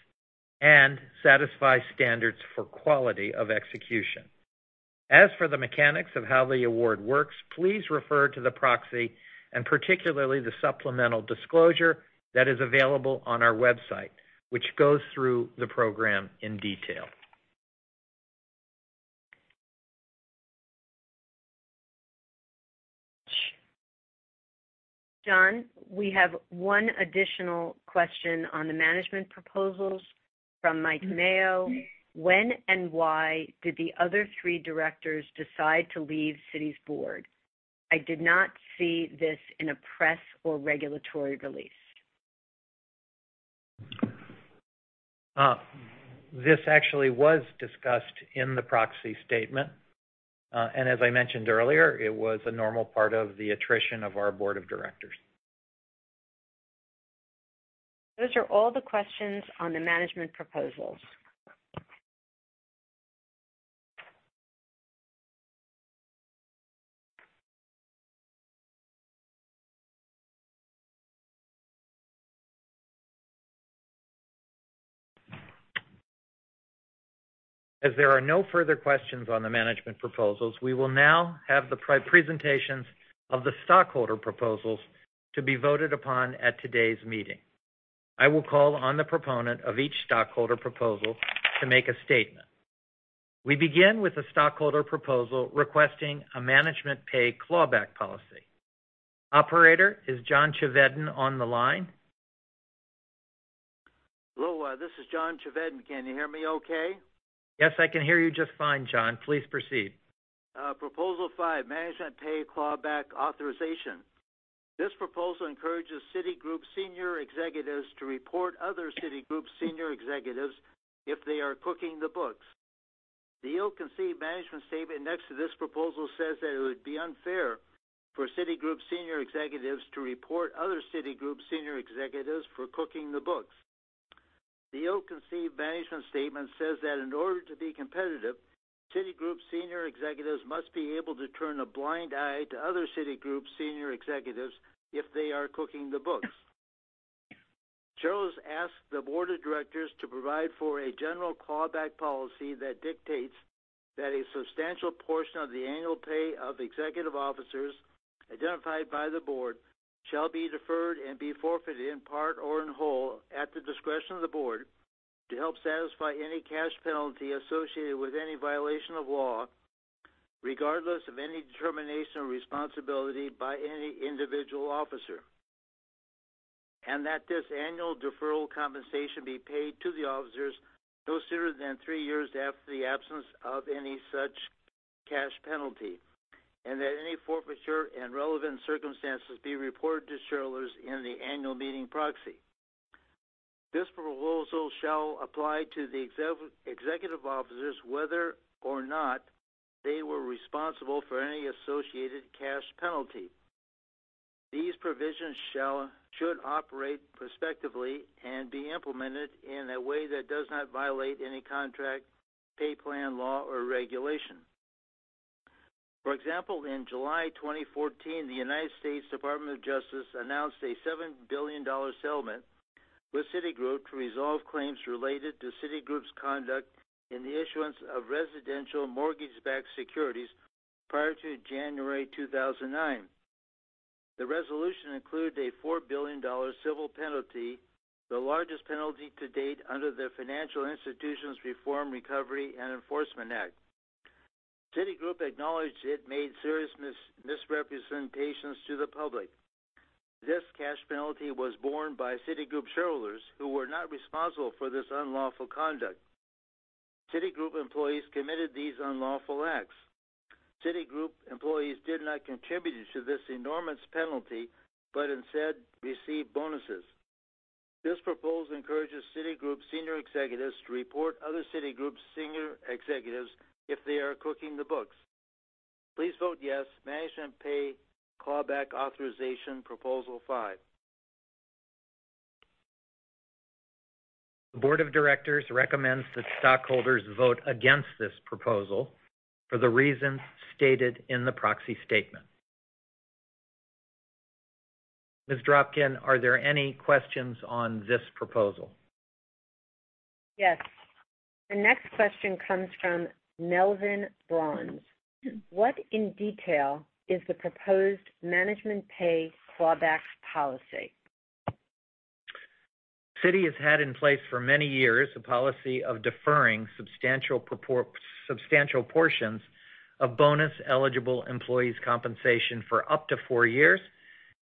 and satisfies standards for quality of execution. As for the mechanics of how the award works, please refer to the proxy and particularly the supplemental disclosure that is available on our website, which goes through the program in detail. John, we have one additional question on the management proposals from Mike Mayo. When and why did the other three directors decide to leave Citi's board? I did not see this in a press or regulatory release. This actually was discussed in the proxy statement. As I mentioned earlier, it was a normal part of the attrition of our board of directors. Those are all the questions on the management proposals. As there are no further questions on the management proposals, we will now have the pre-presentations of the stockholder proposals to be voted upon at today's meeting. I will call on the proponent of each stockholder proposal to make a statement. We begin with the stockholder proposal requesting a management pay clawback policy. Operator, is John Chevedden on the line? Hello, this is John Chevedden. Can you hear me okay? Yes, I can hear you just fine, John. Please proceed. Proposal five, management pay clawback authorization. This proposal encourages Citigroup senior executives to report other Citigroup senior executives if they are cooking the books. The ill-conceived management statement next to this proposal says that it would be unfair for Citigroup senior executives to report other Citigroup senior executives for cooking the books. The ill-conceived management statement says that in order to be competitive, Citigroup senior executives must be able to turn a blind eye to other Citigroup senior executives if they are cooking the books. Shareholders ask the board of directors to provide for a general clawback policy that dictates that a substantial portion of the annual pay of executive officers identified by the board shall be deferred and be forfeited in part or in whole at the discretion of the board to help satisfy any cash penalty associated with any violation of law, regardless of any determination or responsibility by any individual officer. That this annual deferral compensation be paid to the officers no sooner than three years after the absence of any such cash penalty, and that any forfeiture and relevant circumstances be reported to shareholders in the annual meeting proxy. This proposal shall apply to the executive officers whether or not they were responsible for any associated cash penalty. These provisions should operate prospectively and be implemented in a way that does not violate any contract, pay plan, law, or regulation. For example, in July 2014, the United States Department of Justice announced a $7 billion settlement with Citigroup to resolve claims related to Citigroup's conduct in the issuance of residential mortgage-backed securities prior to January 2009. The resolution included a $4 billion civil penalty, the largest penalty to date under the Financial Institutions Reform, Recovery, and Enforcement Act. Citigroup acknowledged it made serious misrepresentations to the public. This cash penalty was borne by Citigroup shareholders who were not responsible for this unlawful conduct. Citigroup employees committed these unlawful acts. Citigroup employees did not contribute to this enormous penalty, but instead received bonuses. This proposal encourages Citigroup senior executives to report other Citigroup senior executives if they are cooking the books. Please vote yes. Management pay clawback authorization, proposal five. The board of directors recommends that stockholders vote against this proposal for the reasons stated in the proxy statement. Ms. Shelley Dropkin, are there any questions on this proposal? Yes. The next question comes from Melvin Bronze. What in detail is the proposed management pay clawback policy? Citi has had in place for many years a policy of deferring substantial portions of bonus-eligible employees' compensation for up to four years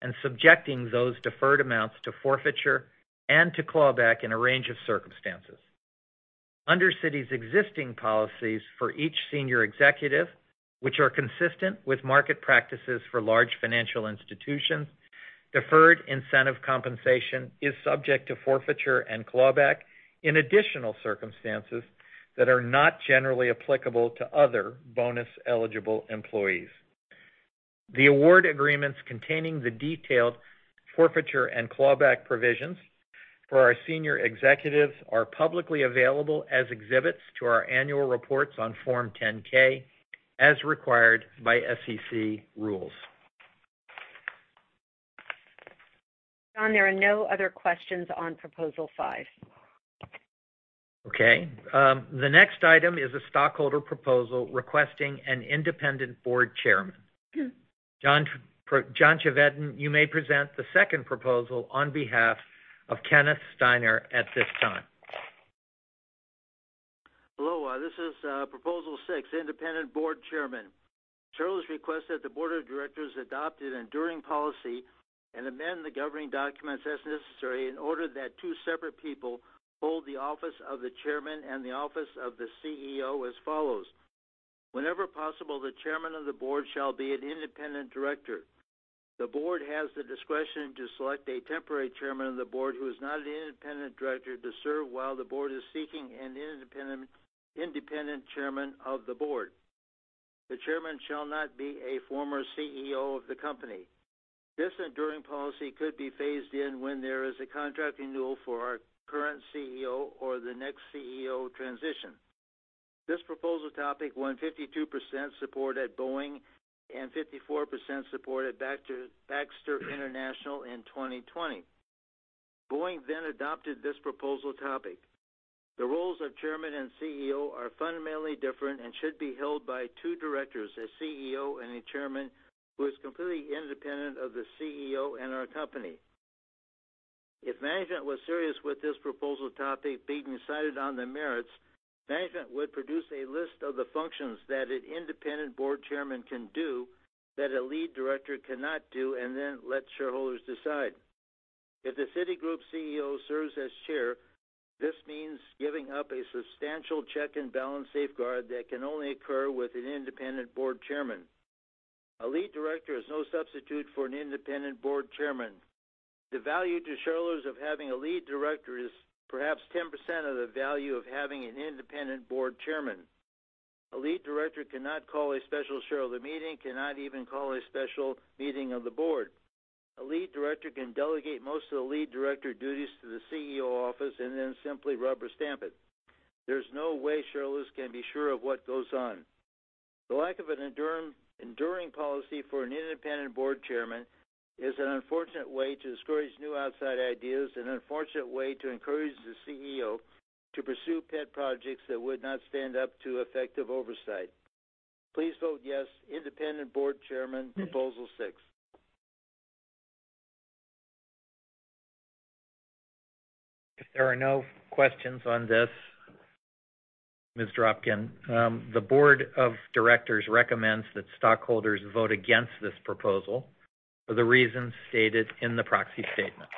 and subjecting those deferred amounts to forfeiture and to clawback in a range of circumstances. Under Citi's existing policies for each senior executive, which are consistent with market practices for large financial institutions, deferred incentive compensation is subject to forfeiture and clawback in additional circumstances that are not generally applicable to other bonus-eligible employees. The award agreements containing the detailed forfeiture and clawback provisions for our senior executives are publicly available as exhibits to our annual reports on Form 10-K, as required by SEC rules. John, there are no other questions on Proposal 5. Okay. The next item is a stockholder proposal requesting an independent board chairman. John Chevedden, you may present the second proposal on behalf of Kenneth Steiner at this time. Hello, this is Proposal 6, independent board chairman. Shareholders request that the board of directors adopt an enduring policy and amend the governing documents as necessary in order that two separate people hold the office of the chairman and the office of the CEO as follows. Whenever possible, the chairman of the board shall be an independent director. The board has the discretion to select a temporary chairman of the board who is not an independent director to serve while the board is seeking an independent chairman of the board. The chairman shall not be a former CEO of the company. This enduring policy could be phased in when there is a contract renewal for our current CEO or the next CEO transition. This proposal topic won 52% support at Boeing and 54% support at Baxter International in 2020. Boeing adopted this proposal topic. The roles of chairman and CEO are fundamentally different and should be held by two directors, a CEO and a chairman who is completely independent of the CEO and our company. If management was serious with this proposal topic being decided on the merits, management would produce a list of the functions that an independent board chairman can do that a lead director cannot do, and then let shareholders decide. If the Citigroup CEO serves as chair, this means giving up a substantial check and balance safeguard that can only occur with an independent board chairman. A lead director is no substitute for an independent board chairman. The value to shareholders of having a lead director is perhaps 10% of the value of having an independent board chairman. A lead director cannot call a special shareholder meeting, cannot even call a special meeting of the board. A lead director can delegate most of the lead director duties to the CEO office and then simply rubber-stamp it. There's no way shareholders can be sure of what goes on. The lack of an enduring policy for an independent board chairman is an unfortunate way to discourage new outside ideas and an unfortunate way to encourage the CEO to pursue pet projects that would not stand up to effective oversight. Please vote yes. Independent board chairman, proposal six. If there are no questions on this, Ms. Dropkin, the board of directors recommends that stockholders vote against this proposal for the reasons stated in the proxy statement.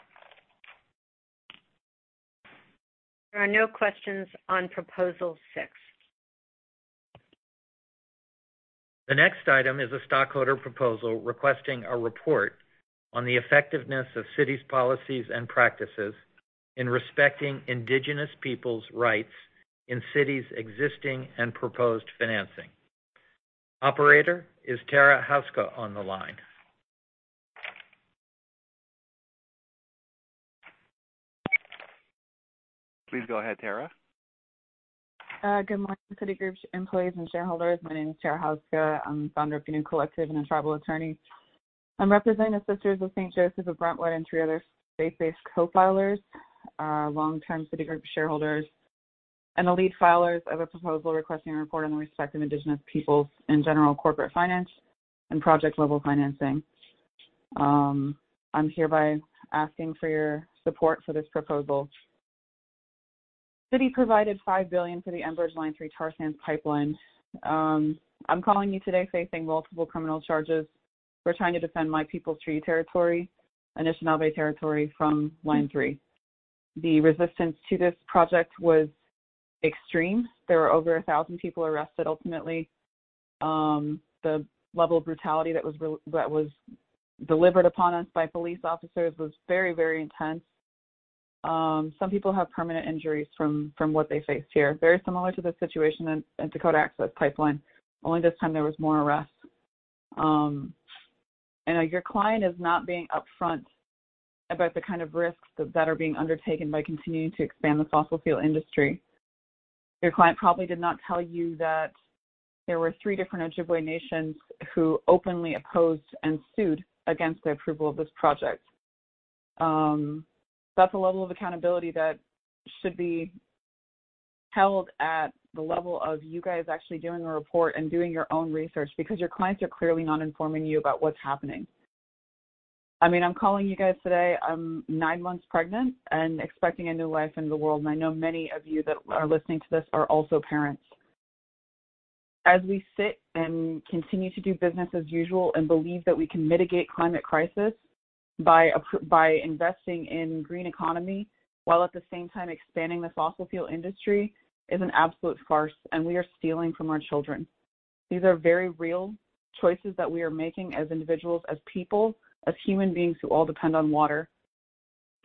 There are no questions on proposal six. The next item is a stockholder proposal requesting a report on the effectiveness of Citi's policies and practices in respecting Indigenous people's rights in Citi's existing and proposed financing. Operator, is Tara Houska on the line? Please go ahead, Tara. Good morning, Citigroup's employees and shareholders. My name is Tara Houska. I'm founder of Giniw Collective and a tribal attorney. I'm representing Sisters of St. Joseph of Brentwood and three other state-based co-filers, long-term Citigroup shareholders, and the lead filers of a proposal requesting a report on the respect of indigenous peoples in general corporate finance and project-level financing. I'm hereby asking for your support for this proposal. Citi provided $5 billion for the Enbridge Line 3 tar sands pipeline. I'm calling you today facing multiple criminal charges. We're trying to defend my people's treaty territory and Anishinaabe territory from Line 3. The resistance to this project was extreme. There were over 1,000 people arrested ultimately. The level of brutality that was delivered upon us by police officers was very, very intense. Some people have permanent injuries from what they faced here, very similar to the situation in Dakota Access Pipeline. Only this time there was more arrests. Your client is not being upfront about the kind of risks that are being undertaken by continuing to expand the fossil fuel industry. Your client probably did not tell you that there were three different Ojibwe nations who openly opposed and sued against the approval of this project. That's a level of accountability that should be held at the level of you guys actually doing a report and doing your own research because your clients are clearly not informing you about what's happening. I mean, I'm calling you guys today, I'm nine months pregnant and expecting a new life into the world, and I know many of you that are listening to this are also parents. As we sit and continue to do business as usual and believe that we can mitigate climate crisis by investing in green economy while at the same time expanding the fossil fuel industry is an absolute farce, and we are stealing from our children. These are very real choices that we are making as individuals, as people, as human beings who all depend on water.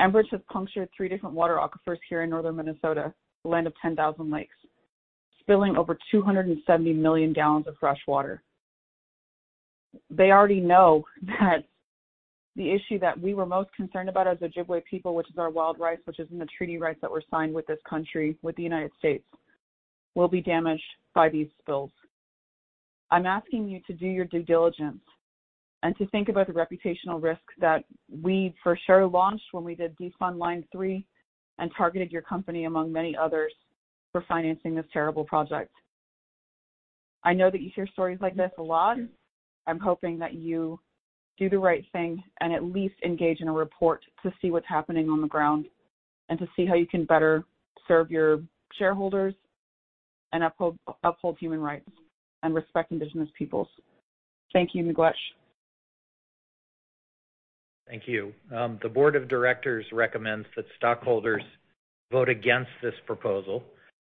Enbridge has punctured three different water aquifers here in northern Minnesota, the Land of 10,000 Lakes, spilling over 270 million gallons of fresh water. They already know that the issue that we were most concerned about as Ojibwe people, which is our wild rice, which is in the treaty rights that were signed with this country, with the United States, will be damaged by these spills. I'm asking you to do your due diligence and to think about the reputational risk that we for sure launched when we did defund Line 3 and targeted your company, among many others, for financing this terrible project. I know that you hear stories like this a lot. I'm hoping that you do the right thing and at least engage in a report to see what's happening on the ground and to see how you can better serve your shareholders and uphold human rights and respect indigenous peoples. Thank you. Miigwech. Thank you. The Board of Directors recommends that stockholders vote against this proposal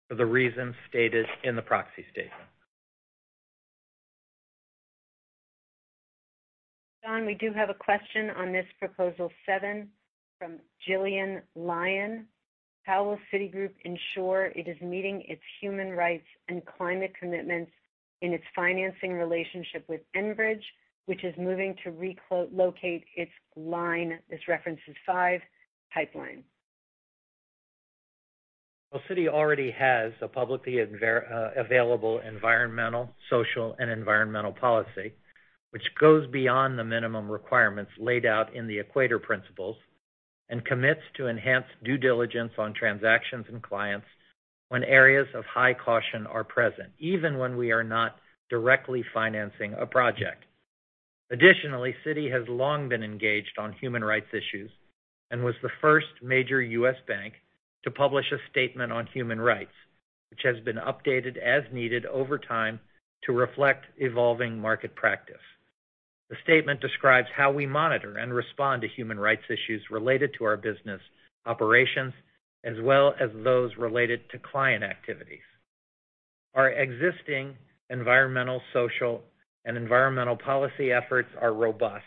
for the reasons stated in the proxy statement. John, we do have a question on this proposal 7 from Jillian Lyon. How will Citigroup ensure it is meeting its human rights and climate commitments in its financing relationship with Enbridge, which is moving to relocate its Line 5 pipeline? Well, Citi already has a publicly available environmental, social, and environmental policy, which goes beyond the minimum requirements laid out in the Equator Principles and commits to enhanced due diligence on transactions and clients when areas of high caution are present, even when we are not directly financing a project. Additionally, Citi has long been engaged on human rights issues and was the first major U.S. bank to publish a statement on human rights, which has been updated as needed over time to reflect evolving market practice. The statement describes how we monitor and respond to human rights issues related to our business operations, as well as those related to client activities. Our existing environmental, social, and environmental policy efforts are robust.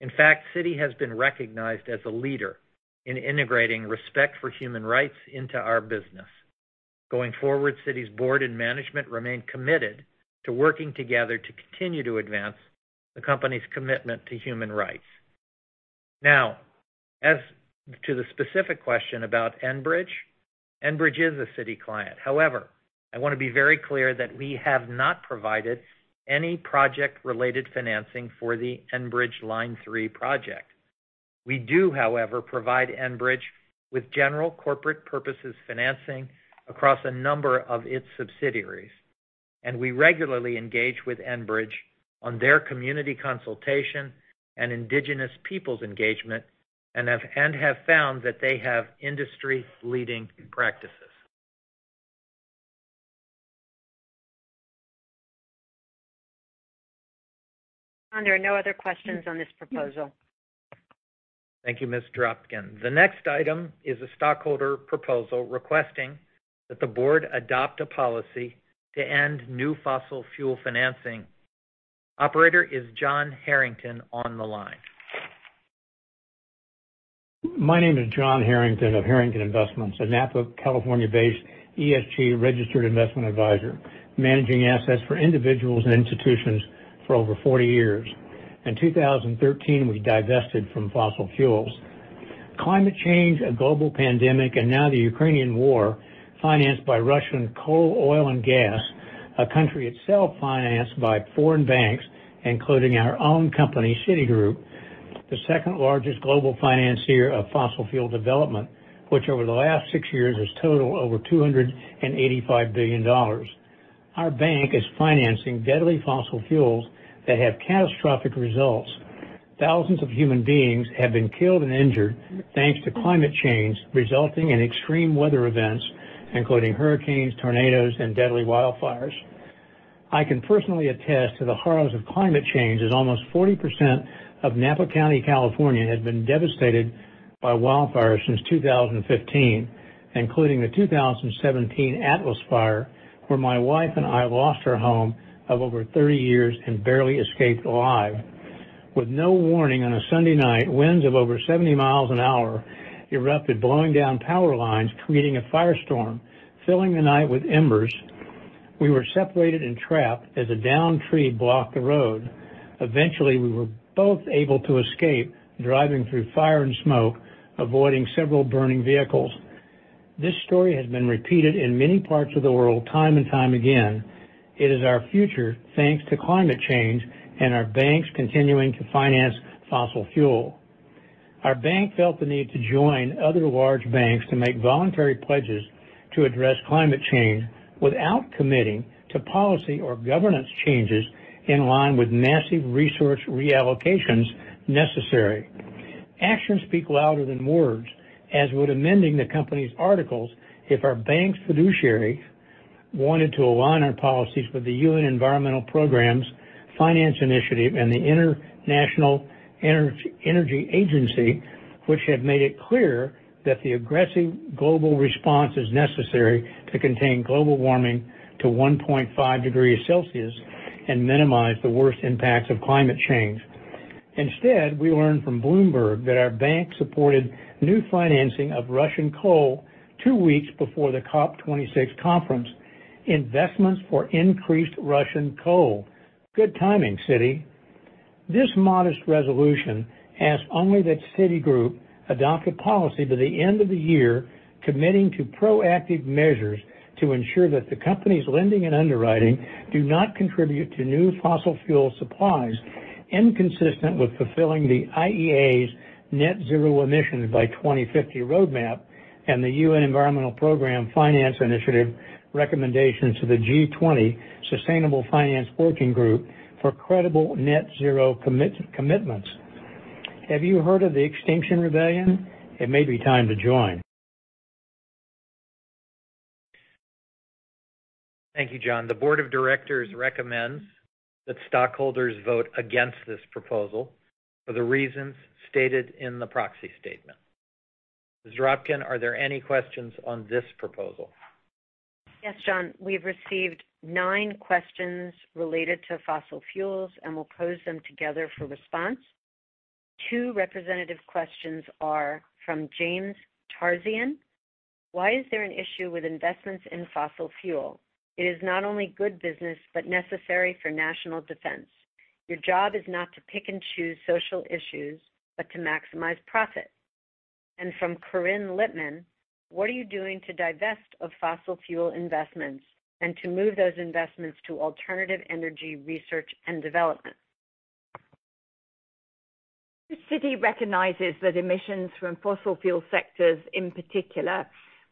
In fact, Citi has been recognized as a leader in integrating respect for human rights into our business. Going forward, Citi's board and management remain committed to working together to continue to advance the company's commitment to human rights. Now, as to the specific question about Enbridge. Enbridge is a Citi client. However, I want to be very clear that we have not provided any project-related financing for the Enbridge Line 3 project. We do, however, provide Enbridge with general corporate purposes financing across a number of its subsidiaries, and we regularly engage with Enbridge on their community consultation and indigenous peoples engagement, and have found that they have industry-leading practices. There are no other questions on this proposal. Thank you, Ms. Dropkin. The next item is a stockholder proposal requesting that the board adopt a policy to end new fossil fuel financing. Operator, is John Harrington on the line? My name is John Harrington of Harrington Investments, a Napa, California-based ESG registered investment advisor, managing assets for individuals and institutions for over 40 years. In 2013, we divested from fossil fuels. Climate change, a global pandemic, and now the Ukrainian war, financed by Russian coal, oil, gas. A country itself financed by foreign banks, including our own company, Citigroup, the second largest global financier of fossil fuel development, which over the last 6 years has totaled over $285 billion. Our bank is financing deadly fossil fuels that have catastrophic results. Thousands of human beings have been killed and injured thanks to climate change, resulting in extreme weather events, including hurricanes, tornadoes, and deadly wildfires. I can personally attest to the horrors of climate change, as almost 40% of Napa County, California, has been devastated by wildfires since 2015, including the 2017 Atlas Fire, where my wife and I lost our home of over 30 years and barely escaped alive. With no warning, on a Sunday night, winds of over 70 miles an hour erupted, blowing down power lines, creating a firestorm, filling the night with embers. We were separated and trapped as a downed tree blocked the road. Eventually, we were both able to escape, driving through fire and smoke, avoiding several burning vehicles. This story has been repeated in many parts of the world time and time again. It is our future thanks to climate change and our banks continuing to finance fossil fuel. Our bank felt the need to join other large banks to make voluntary pledges to address climate change without committing to policy or governance changes in line with massive resource reallocations necessary. Actions speak louder than words, as would amending the company's articles if our bank's fiduciary wanted to align our policies with the UN Environment Programme Finance Initiative and the International Energy Agency, which have made it clear that the aggressive global response is necessary to contain global warming to 1.5 degrees Celsius and minimize the worst impacts of climate change. Instead, we learn from Bloomberg that our bank supported new financing of Russian coal two weeks before the COP26 conference. Investments for increased Russian coal. Good timing, Citi. This modest resolution asks only that Citigroup adopt a policy by the end of the year committing to proactive measures to ensure that the company's lending and underwriting do not contribute to new fossil fuel supplies inconsistent with fulfilling the IEA's net zero emissions by 2050 roadmap and the UN Environment Programme Finance Initiative recommendations to the G20 Sustainable Finance Working Group for credible net zero commitments. Have you heard of the Extinction Rebellion? It may be time to join. Thank you, John. The Board of Directors recommends that stockholders vote against this proposal for the reasons stated in the proxy statement. Ms. Dropkin, are there any questions on this proposal? Yes, John. We've received nine questions related to fossil fuels, and we'll pose them together for response. Two representative questions are from James Tarzian. "Why is there an issue with investments in fossil fuel? It is not only good business, but necessary for national defense. Your job is not to pick and choose social issues, but to maximize profit." From Corinne Littman. "What are you doing to divest of fossil fuel investments and to move those investments to alternative energy research and development? Citi recognizes that emissions from fossil fuel sectors in particular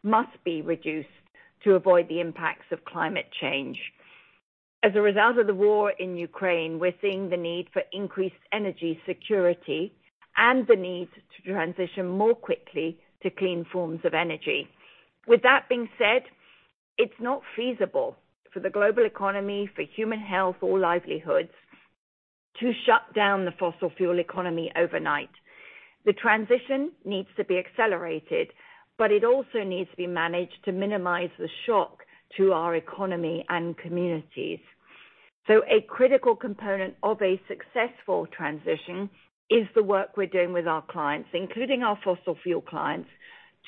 must be reduced to avoid the impacts of climate change. As a result of the war in Ukraine, we're seeing the need for increased energy security and the need to transition more quickly to clean forms of energy. With that being said, it's not feasible for the global economy, for human health or livelihoods to shut down the fossil fuel economy overnight. The transition needs to be accelerated, but it also needs to be managed to minimize the shock to our economy and communities. A critical component of a successful transition is the work we're doing with our clients, including our fossil fuel clients,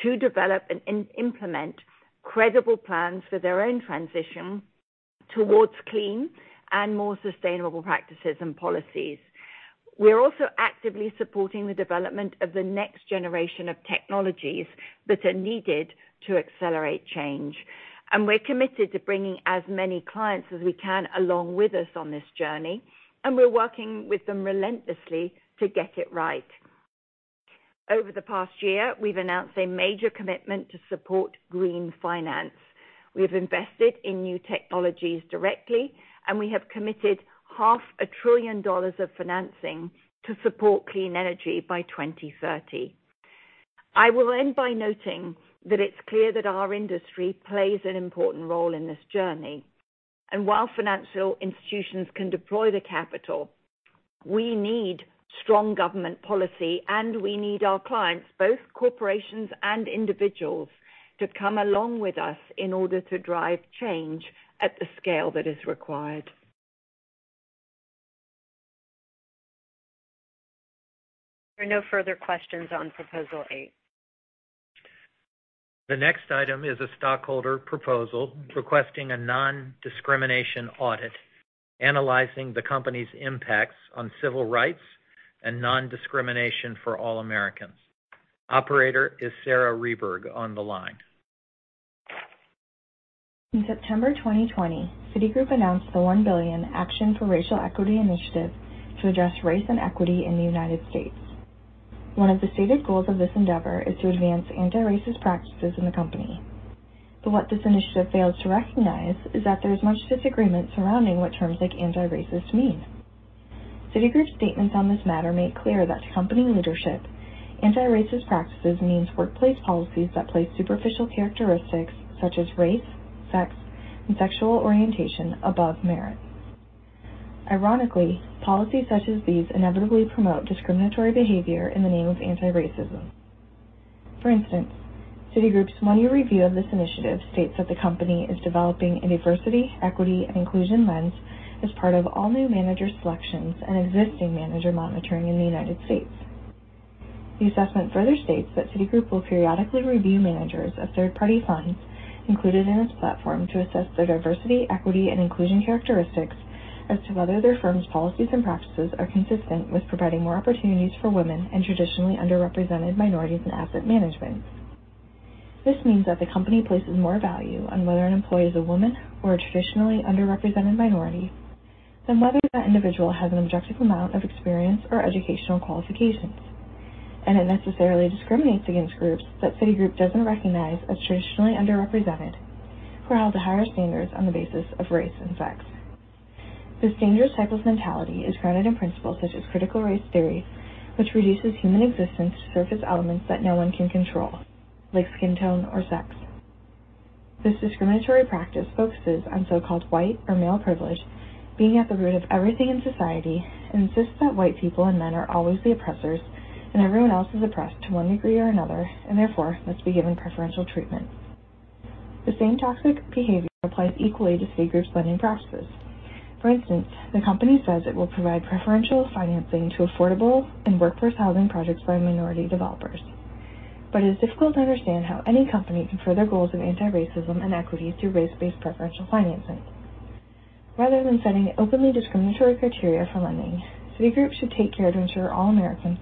to develop and implement credible plans for their own transition towards clean and more sustainable practices and policies. We're also actively supporting the development of the next generation of technologies that are needed to accelerate change. We're committed to bringing as many clients as we can along with us on this journey, and we're working with them relentlessly to get it right. Over the past year, we've announced a major commitment to support green finance. We have invested in new technologies directly, and we have committed half a trillion dollars of financing to support clean energy by 2030. I will end by noting that it's clear that our industry plays an important role in this journey. While financial institutions can deploy the capital, we need strong government policy, and we need our clients, both corporations and individuals, to come along with us in order to drive change at the scale that is required. There are no further questions on proposal 8. The next item is a stockholder proposal requesting a non-discrimination audit analyzing the company's impacts on civil rights and non-discrimination for all Americans. Operator, is Sarah Rehberg on the line? In September 2020, Citigroup announced the $1 billion Action for Racial Equity initiative to address race and equity in the United States. One of the stated goals of this endeavor is to advance anti-racist practices in the company. What this initiative fails to recognize is that there's much disagreement surrounding what terms like anti-racist mean. Citigroup's statements on this matter make clear that to company leadership, anti-racist practices means workplace policies that place superficial characteristics such as race, sex, and sexual orientation above merit. Ironically, policies such as these inevitably promote discriminatory behavior in the name of anti-racism. For instance, Citigroup's one-year review of this initiative states that the company is developing a diversity, equity, and inclusion lens as part of all new manager selections and existing manager monitoring in the United States. The assessment further states that Citigroup will periodically review managers of third-party funds included in its platform to assess their diversity, equity, and inclusion characteristics as to whether their firm's policies and practices are consistent with providing more opportunities for women and traditionally underrepresented minorities in asset management. This means that the company places more value on whether an employee is a woman or a traditionally underrepresented minority than whether that individual has an objective amount of experience or educational qualifications. It necessarily discriminates against groups that Citigroup doesn't recognize as traditionally underrepresented who are held to higher standards on the basis of race and sex. This dangerous type of mentality is grounded in principles such as critical race theory, which reduces human existence to surface elements that no one can control, like skin tone or sex. This discriminatory practice focuses on so-called white or male privilege being at the root of everything in society, and insists that white people and men are always the oppressors and everyone else is oppressed to one degree or another, and therefore must be given preferential treatment. The same toxic behavior applies equally to Citigroup's lending practices. For instance, the company says it will provide preferential financing to affordable and workforce housing projects by minority developers. It is difficult to understand how any company can further goals of anti-racism and equity through race-based preferential financing. Rather than setting openly discriminatory criteria for lending, Citigroup should take care to ensure all Americans,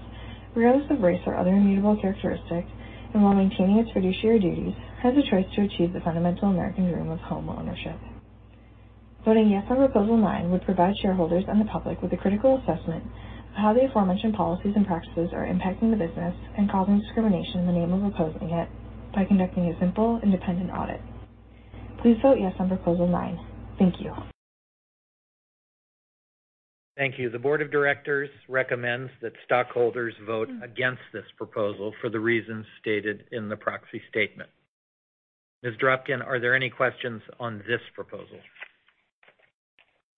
regardless of race or other immutable characteristic, and while maintaining its fiduciary duties, has a choice to achieve the fundamental American dream of homeownership. Voting yes on proposal nine would provide shareholders and the public with a critical assessment of how the aforementioned policies and practices are impacting the business and causing discrimination in the name of opposing it by conducting a simple independent audit. Please vote yes on proposal nine. Thank you. Thank you. The board of directors recommends that stockholders vote against this proposal for the reasons stated in the proxy statement. Ms. Dropkin, are there any questions on this proposal?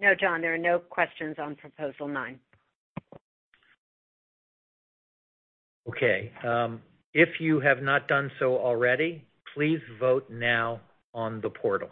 No, John, there are no questions on proposal nine. Okay. If you have not done so already, please vote now on the portal.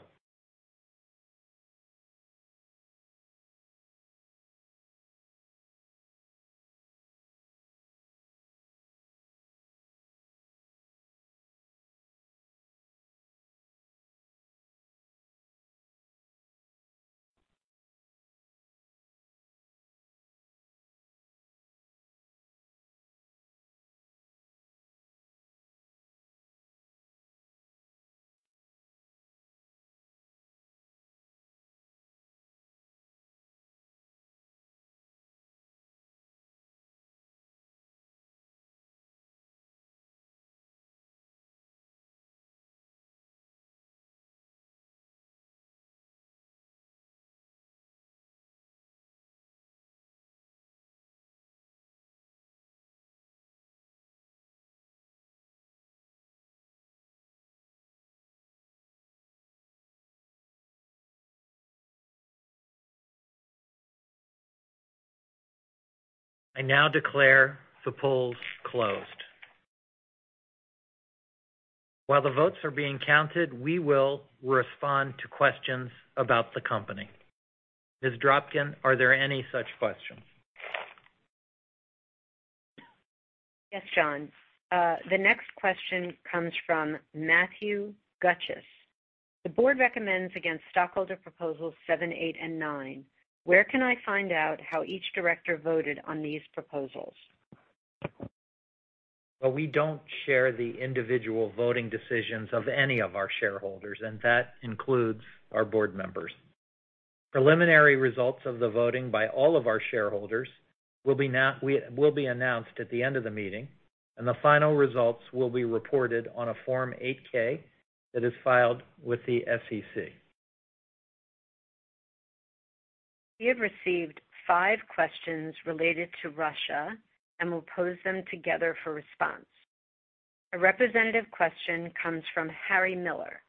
I now declare the polls closed. While the votes are being counted, we will respond to questions about the company. Ms. Dropkin, are there any such questions? Yes, John. The next question comes from Matthew Gutchess. The board recommends against stockholder proposals 7, 8, and 9. Where can I find out how each director voted on these proposals? Well, we don't share the individual voting decisions of any of our shareholders, and that includes our board members. Preliminary results of the voting by all of our shareholders will be announced at the end of the meeting, and the final results will be reported on a Form 8-K that is filed with the SEC. We have received five questions related to Russia and will pose them together for response. A representative question comes from Harry Miller.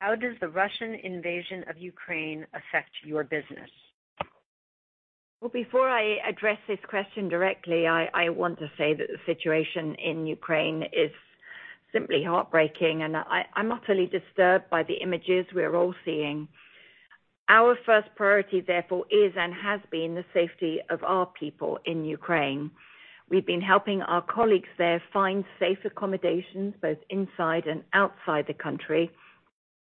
How does the Russian invasion of Ukraine affect your business? Well, before I address this question directly, I want to say that the situation in Ukraine is simply heartbreaking, and I'm utterly disturbed by the images we're all seeing. Our first priority, therefore, is and has been the safety of our people in Ukraine. We've been helping our colleagues there find safe accommodations both inside and outside the country,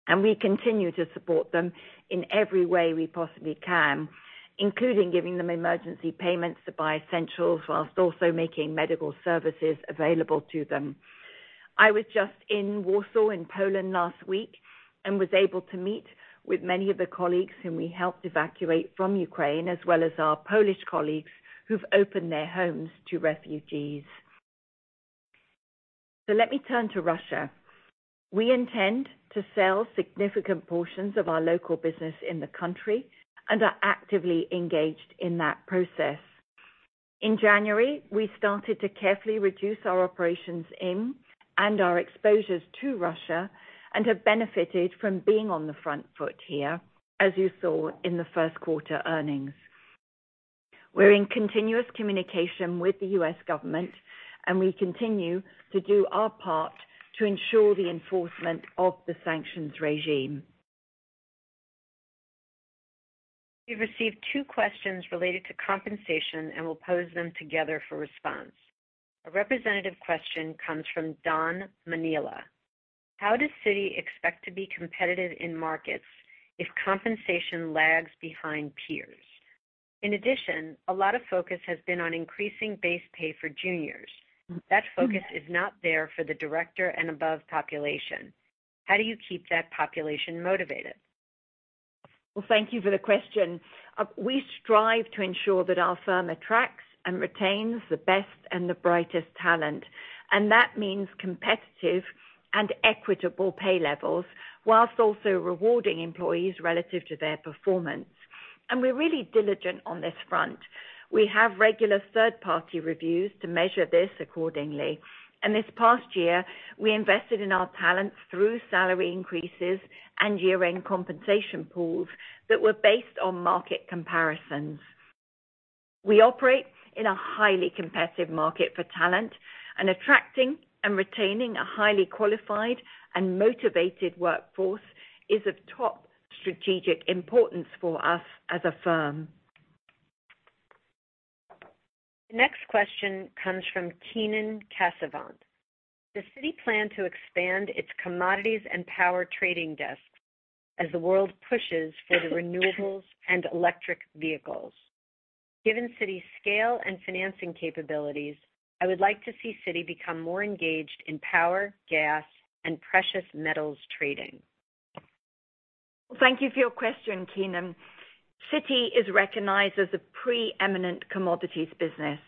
and we continue to support them in every way we possibly can, including giving them emergency payments to buy essentials while also making medical services available to them. I was just in Warsaw in Poland last week and was able to meet with many of the colleagues whom we helped evacuate from Ukraine, as well as our Polish colleagues who've opened their homes to refugees. Let me turn to Russia. We intend to sell significant portions of our local business in the country and are actively engaged in that process. In January, we started to carefully reduce our operations in, and our exposures to Russia, and have benefited from being on the front foot here, as you saw in the Q1 earnings. We're in continuous communication with the U.S. government, and we continue to do our part to ensure the enforcement of the sanctions regime. We've received two questions related to compensation, and we'll pose them together for response. A representative question comes from Don Manila. How does Citi expect to be competitive in markets if compensation lags behind peers? In addition, a lot of focus has been on increasing base pay for juniors. That focus is not there for the director and above population. How do you keep that population motivated? Well, thank you for the question. We strive to ensure that our firm attracts and retains the best and the brightest talent, and that means competitive and equitable pay levels, whilst also rewarding employees relative to their performance. We're really diligent on this front. We have regular third-party reviews to measure this accordingly. This past year, we invested in our talent through salary increases and year-end compensation pools that were based on market comparisons. We operate in a highly competitive market for talent, and attracting and retaining a highly qualified and motivated workforce is of top strategic importance for us as a firm. The next question comes from Keenan Casavant. Does Citi plan to expand its commodities and power trading desks as the world pushes for the renewables and electric vehicles? Given Citi's scale and financing capabilities, I would like to see Citi become more engaged in power, gas, and precious metals trading. Thank you for your question, Keenan. Citi is recognized as a preeminent commodities business,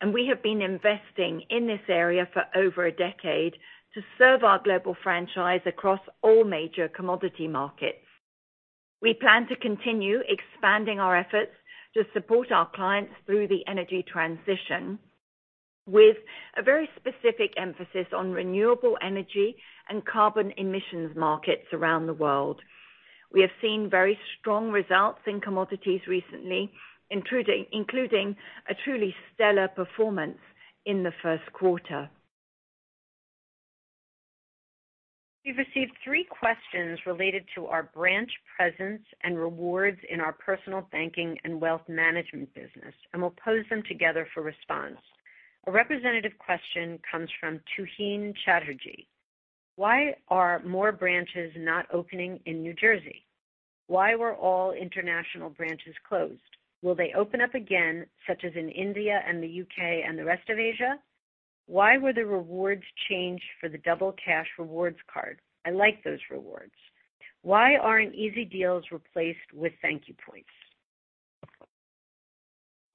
and we have been investing in this area for over a decade to serve our global franchise across all major commodity markets. We plan to continue expanding our efforts to support our clients through the energy transition with a very specific emphasis on renewable energy and carbon emissions markets around the world. We have seen very strong results in commodities recently, including a truly stellar performance in the Q1. We've received three questions related to our branch presence and rewards in our personal banking and wealth management business, and we'll pose them together for response. A representative question comes from Tuheen Chatterjee. Why are more branches not opening in New Jersey? Why were all international branches closed? Will they open up again, such as in India and the U.K. and the rest of Asia? Why were the rewards changed for the Citi Double Cash® Card? I like those rewards. Why aren't easy deals replaced with thank you points?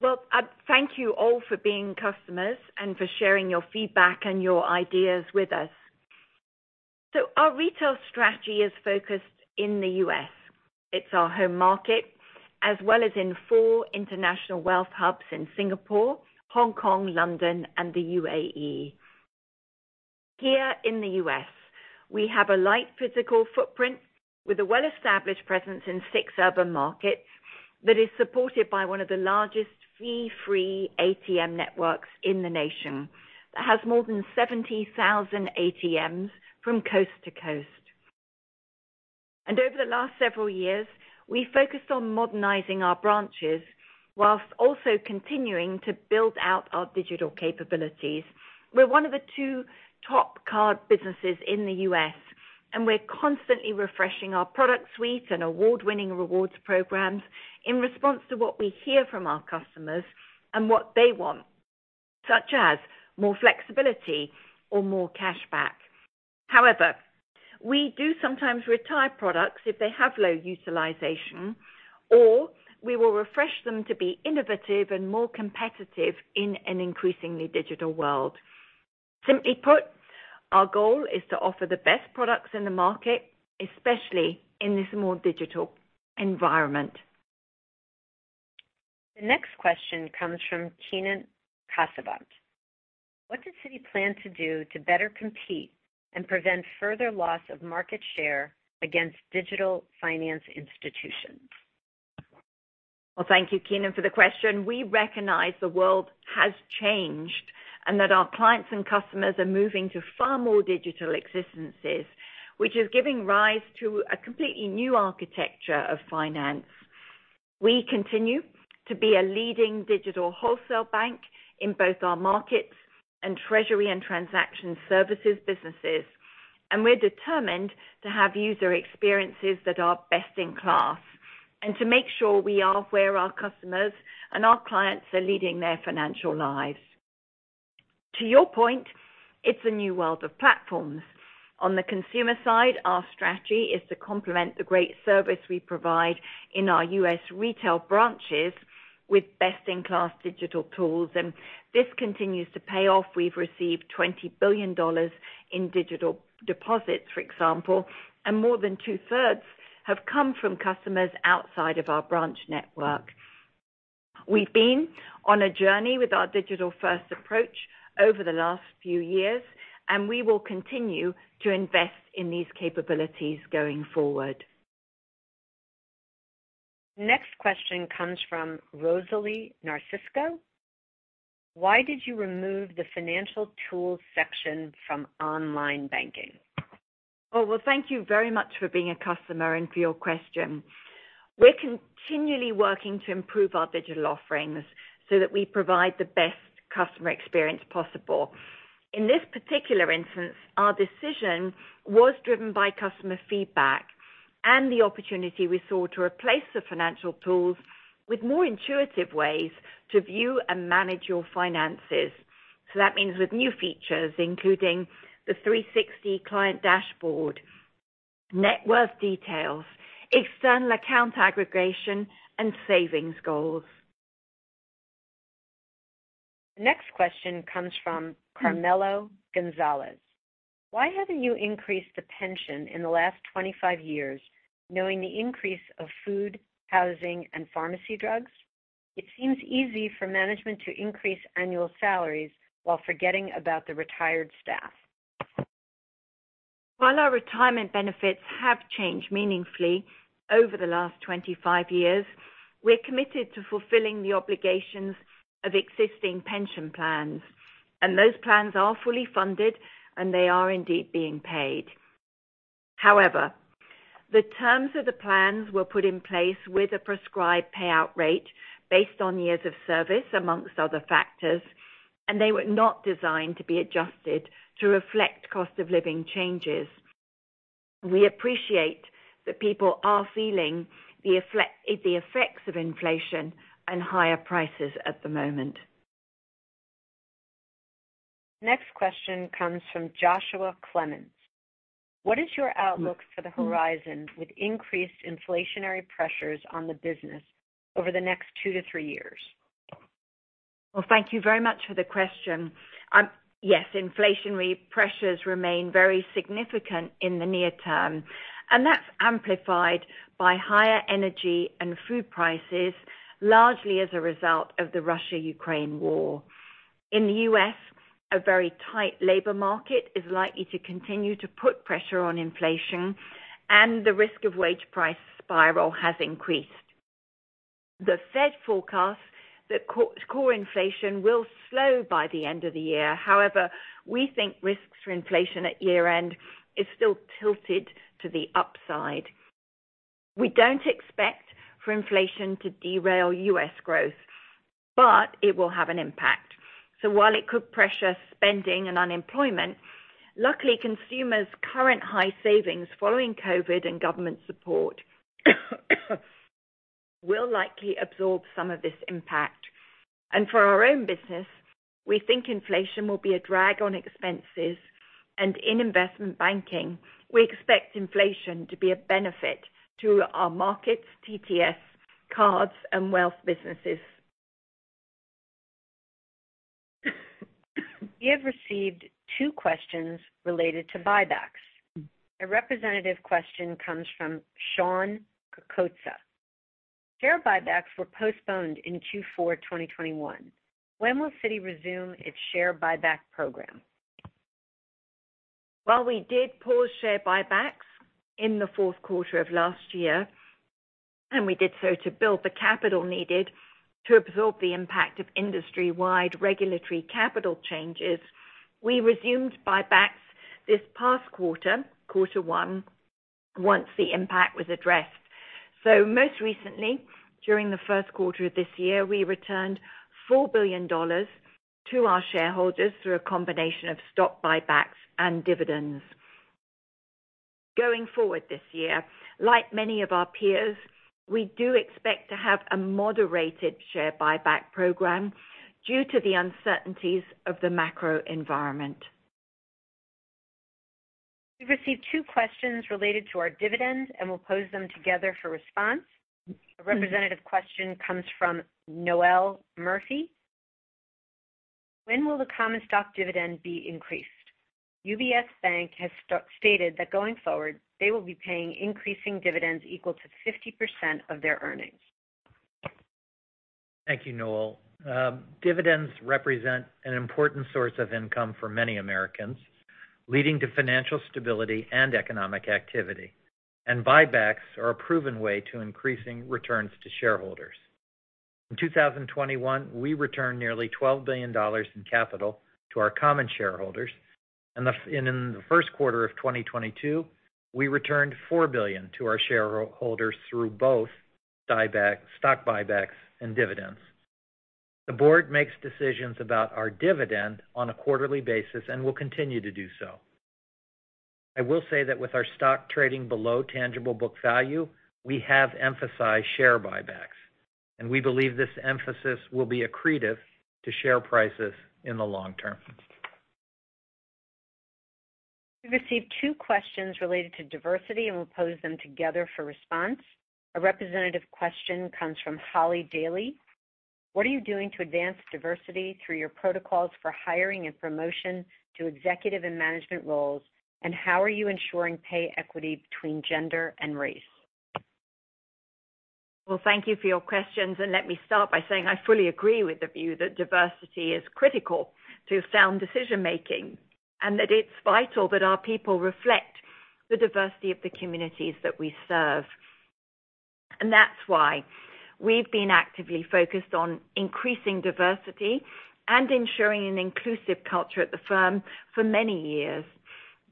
Well, thank you all for being customers and for sharing your feedback and your ideas with us. Our retail strategy is focused in the U.S. It's our home market, as well as in four international wealth hubs in Singapore, Hong Kong, London, and the UAE. Here in the U.S., we have a light physical footprint with a well-established presence in six urban markets that is supported by one of the largest fee-free ATM networks in the nation, that has more than 70,000 ATMs from coast to coast. Over the last several years, we focused on modernizing our branches while also continuing to build out our digital capabilities. We're one of the two top card businesses in the U.S., and we're constantly refreshing our product suite and award-winning rewards programs in response to what we hear from our customers and what they want, such as more flexibility or more cashback. However, we do sometimes retire products if they have low utilization, or we will refresh them to be innovative and more competitive in an increasingly digital world. Simply put, our goal is to offer the best products in the market, especially in this more digital environment. The next question comes from Keenan Casavant. What does Citi plan to do to better compete and prevent further loss of market share against digital finance institutions? Well, thank you, Keenan, for the question. We recognize the world has changed and that our clients and customers are moving to far more digital existences, which is giving rise to a completely new architecture of finance. We continue to be a leading digital wholesale bank in both our markets and treasury and transaction services businesses. We're determined to have user experiences that are best in class and to make sure we are where our customers and our clients are leading their financial lives. To your point, it's a new world of platforms. On the consumer side, our strategy is to complement the great service we provide in our U.S. retail branches with best-in-class digital tools, and this continues to pay off. We've received $20 billion in digital deposits, for example, and more than two-thirds have come from customers outside of our branch network. We've been on a journey with our digital-first approach over the last few years, and we will continue to invest in these capabilities going forward. Next question comes from Rosalie Narciso. Why did you remove the financial tools section from online banking? Oh, well, thank you very much for being a customer and for your question. We're continually working to improve our digital offerings so that we provide the best customer experience possible. In this particular instance, our decision was driven by customer feedback and the opportunity we saw to replace the financial tools with more intuitive ways to view and manage your finances. That means with new features, including the 360 client dashboard, net worth details, external account aggregation, and savings goals. Next question comes from Carmelo Gonzalez. Why haven't you increased the pension in the last 25 years, knowing the increase of food, housing, and pharmacy drugs? It seems easy for management to increase annual salaries while forgetting about the retired staff. While our retirement benefits have changed meaningfully over the last 25 years, we're committed to fulfilling the obligations of existing pension plans. Those plans are fully funded, and they are indeed being paid. However, the terms of the plans were put in place with a prescribed payout rate based on years of service, among other factors, and they were not designed to be adjusted to reflect cost of living changes. We appreciate that people are feeling the effect, the effects of inflation and higher prices at the moment. Next question comes from Joshua Clemens. What is your outlook for the horizon with increased inflationary pressures on the business over the next 2-3 years? Well, thank you very much for the question. Yes, inflationary pressures remain very significant in the near term, and that's amplified by higher energy and food prices, largely as a result of the Russia-Ukraine war. In the U.S., a very tight labor market is likely to continue to put pressure on inflation and the risk of wage price spiral has increased. The Fed forecasts that core inflation will slow by the end of the year. However, we think risks for inflation at year-end is still tilted to the upside. We don't expect for inflation to derail U.S. growth, but it will have an impact. While it could pressure spending and unemployment, luckily, consumers' current high savings following COVID and government support will likely absorb some of this impact. For our own business, we think inflation will be a drag on expenses. In investment banking, we expect inflation to be a benefit to our markets, TTS, cards, and wealth businesses. We have received two questions related to buybacks. A representative question comes from Sean Cocotza. Share buybacks were postponed in Q4 2021. When will Citi resume its share buyback program? While we did pause share buybacks in the Q4 of last year, and we did so to build the capital needed to absorb the impact of industry-wide regulatory capital changes, we resumed buybacks this past quarter one, once the impact was addressed. Most recently, during the Q1 of this year, we returned $4 billion to our shareholders through a combination of stock buybacks and dividends. Going forward this year, like many of our peers, we do expect to have a moderated share buyback program due to the uncertainties of the macro environment. We've received two questions related to our dividends, and we'll pose them together for response. A representative question comes from Noel Murphy. When will the common stock dividend be increased? UBS Bank has stated that going forward, they will be paying increasing dividends equal to 50% of their earnings. Thank you, Noel. Dividends represent an important source of income for many Americans, leading to financial stability and economic activity. Buybacks are a proven way to increasing returns to shareholders. In 2021, we returned nearly $12 billion in capital to our common shareholders. In the Q1 of 2022, we returned $4 billion to our shareholders through both stock buybacks and dividends. The board makes decisions about our dividend on a quarterly basis and will continue to do so. I will say that with our stock trading below tangible book value, we have emphasized share buybacks, and we believe this emphasis will be accretive to share prices in the long term. We've received two questions related to diversity, and we'll pose them together for response. A representative question comes from Holly Daly. What are you doing to advance diversity through your protocols for hiring and promotion to executive and management roles? And how are you ensuring pay equity between gender and race? Well, thank you for your questions. Let me start by saying I fully agree with the view that diversity is critical to sound decision-making, and that it's vital that our people reflect the diversity of the communities that we serve. That's why we've been actively focused on increasing diversity and ensuring an inclusive culture at the firm for many years.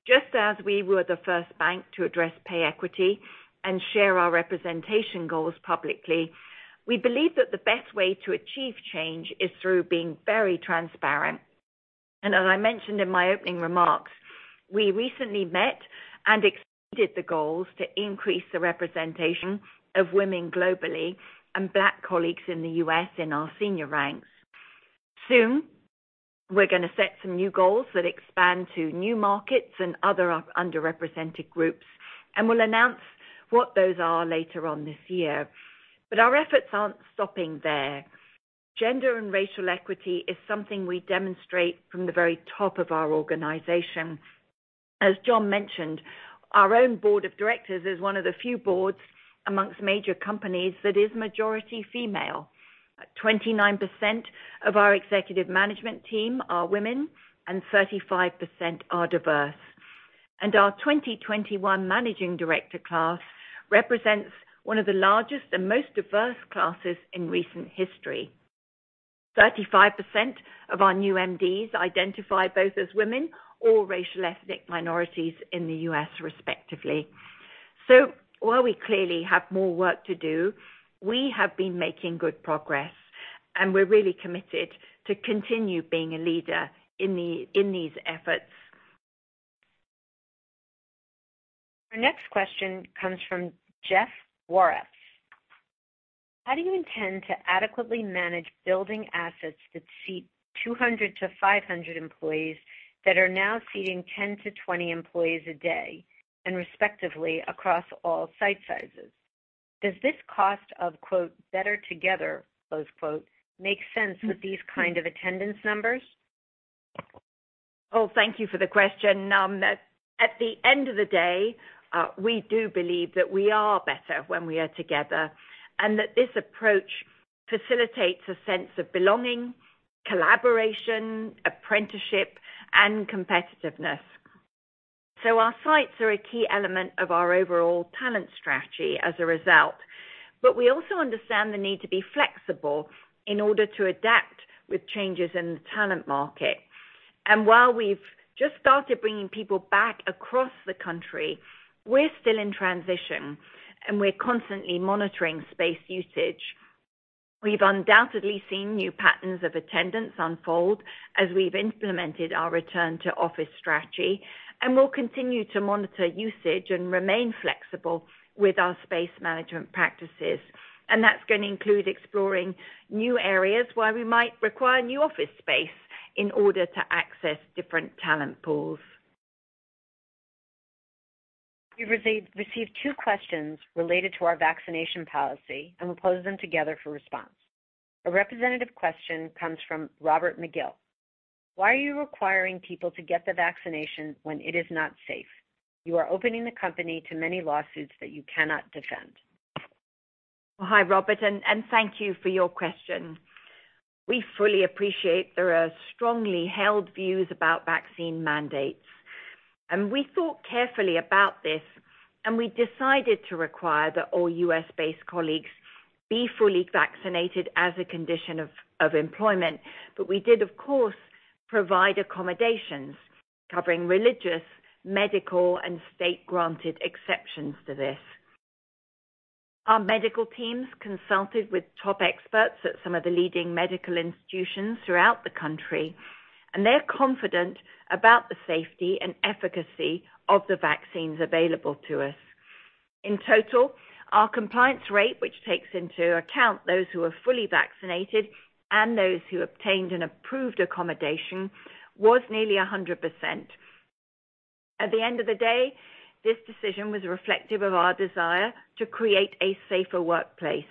Just as we were the first bank to address pay equity and share our representation goals publicly, we believe that the best way to achieve change is through being very transparent. As I mentioned in my opening remarks, we recently met and extended the goals to increase the representation of women globally and Black colleagues in the U.S. in our senior ranks. Soon, we're gonna set some new goals that expand to new markets and other underrepresented groups, and we'll announce what those are later on this year. Our efforts aren't stopping there. Gender and racial equity is something we demonstrate from the very top of our organization. As John mentioned, our own board of directors is one of the few boards amongst major companies that is majority female. 29% of our executive management team are women, and 35% are diverse. Our 2021 managing director class represents one of the largest and most diverse classes in recent history. 35% of our new MDs identify both as women or racial ethnic minorities in the U.S. respectively. While we clearly have more work to do, we have been making good progress, and we're really committed to continue being a leader in these efforts. Our next question comes from Jeff Juarez. How do you intend to adequately manage building assets that seat 200-500 employees that are now seating 10-20 employees a day and respectively across all site sizes? Does this cost of “better together” make sense with these kind of attendance numbers? Thank you for the question. At the end of the day, we do believe that we are better when we are together, and that this approach facilitates a sense of belonging, collaboration, apprenticeship, and competitiveness. Our sites are a key element of our overall talent strategy as a result. We also understand the need to be flexible in order to adapt with changes in the talent market. While we've just started bringing people back across the country, we're still in transition, and we're constantly monitoring space usage. We've undoubtedly seen new patterns of attendance unfold as we've implemented our return to office strategy, and we'll continue to monitor usage and remain flexible with our space management practices. That's gonna include exploring new areas where we might require new office space in order to access different talent pools. We've received two questions related to our vaccination policy, and we'll pose them together for response. A representative question comes from Robert McGill. Why are you requiring people to get the vaccination when it is not safe? You are opening the company to many lawsuits that you cannot defend. Hi, Robert, and thank you for your question. We fully appreciate there are strongly held views about vaccine mandates. We thought carefully about this, and we decided to require that all U.S.-based colleagues be fully vaccinated as a condition of employment. We did, of course, provide accommodations covering religious, medical, and state-granted exceptions to this. Our medical teams consulted with top experts at some of the leading medical institutions throughout the country, and they're confident about the safety and efficacy of the vaccines available to us. In total, our compliance rate, which takes into account those who are fully vaccinated and those who obtained an approved accommodation, was nearly 100%. At the end of the day, this decision was reflective of our desire to create a safer workplace,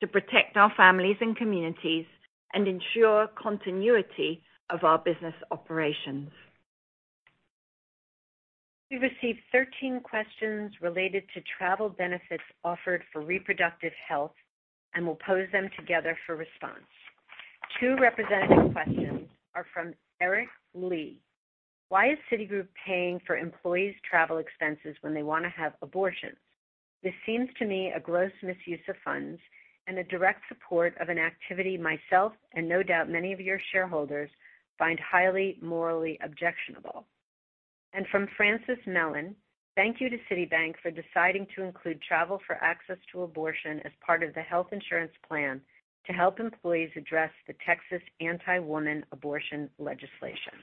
to protect our families and communities and ensure continuity of our business operations. We received 13 questions related to travel benefits offered for reproductive health, and we'll pose them together for response. Two representative questions are from Eric Lee. Why is Citigroup paying for employees' travel expenses when they want to have abortions? This seems to me a gross misuse of funds and a direct support of an activity myself, and no doubt many of your shareholders find highly morally objectionable. From Francis Mellon. Thank you to Citibank for deciding to include travel for access to abortion as part of the health insurance plan to help employees address the Texas anti-woman abortion legislation.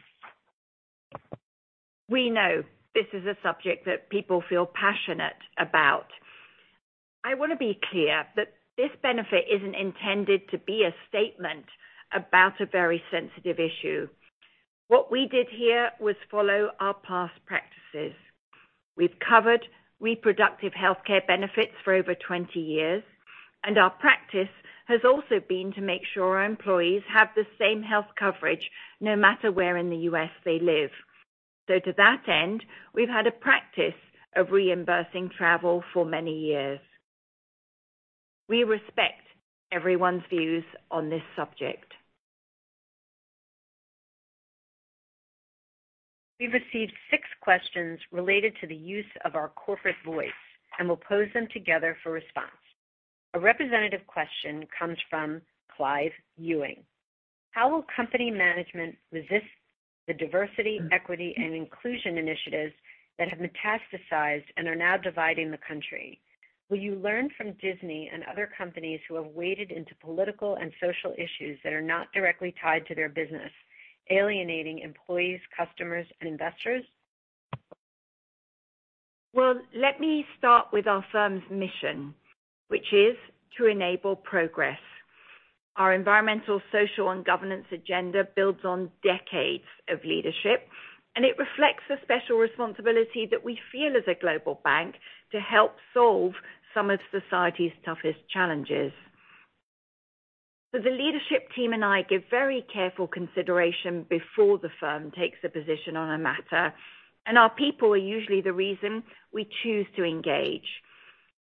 We know this is a subject that people feel passionate about. I want to be clear that this benefit isn't intended to be a statement about a very sensitive issue. What we did here was follow our past practices. We've covered reproductive healthcare benefits for over 20 years, and our practice has also been to make sure our employees have the same health coverage no matter where in the U.S. they live. To that end, we've had a practice of reimbursing travel for many years. We respect everyone's views on this subject. We've received six questions related to the use of our corporate voice, and we'll pose them together for response. A representative question comes from Clive Ewing. How will company management resist the diversity, equity, and inclusion initiatives that have metastasized and are now dividing the country? Will you learn from Disney and other companies who have waded into political and social issues that are not directly tied to their business, alienating employees, customers, and investors? Well, let me start with our firm's mission, which is to enable progress. Our environmental, social, and governance agenda builds on decades of leadership, and it reflects the special responsibility that we feel as a global bank to help solve some of society's toughest challenges. The leadership team and I give very careful consideration before the firm takes a position on a matter, and our people are usually the reason we choose to engage.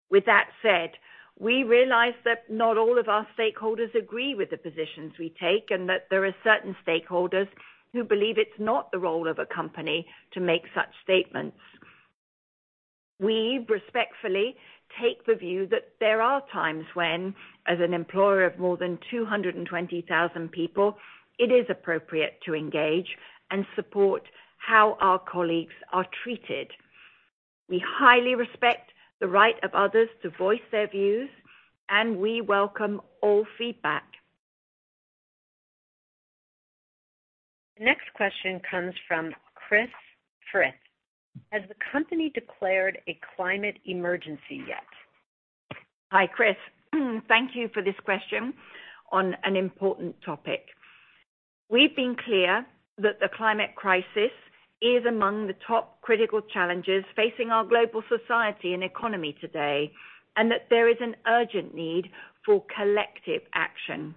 With that said, we realize that not all of our stakeholders agree with the positions we take and that there are certain stakeholders who believe it's not the role of a company to make such statements. We respectfully take the view that there are times when, as an employer of more than 220,000 people, it is appropriate to engage and support how our colleagues are treated. We highly respect the right of others to voice their views, and we welcome all feedback. Next question comes from Chris Frith. Has the company declared a climate emergency yet? Hi, Chris. Thank you for this question on an important topic. We've been clear that the climate crisis is among the top critical challenges facing our global society and economy today, and that there is an urgent need for collective action.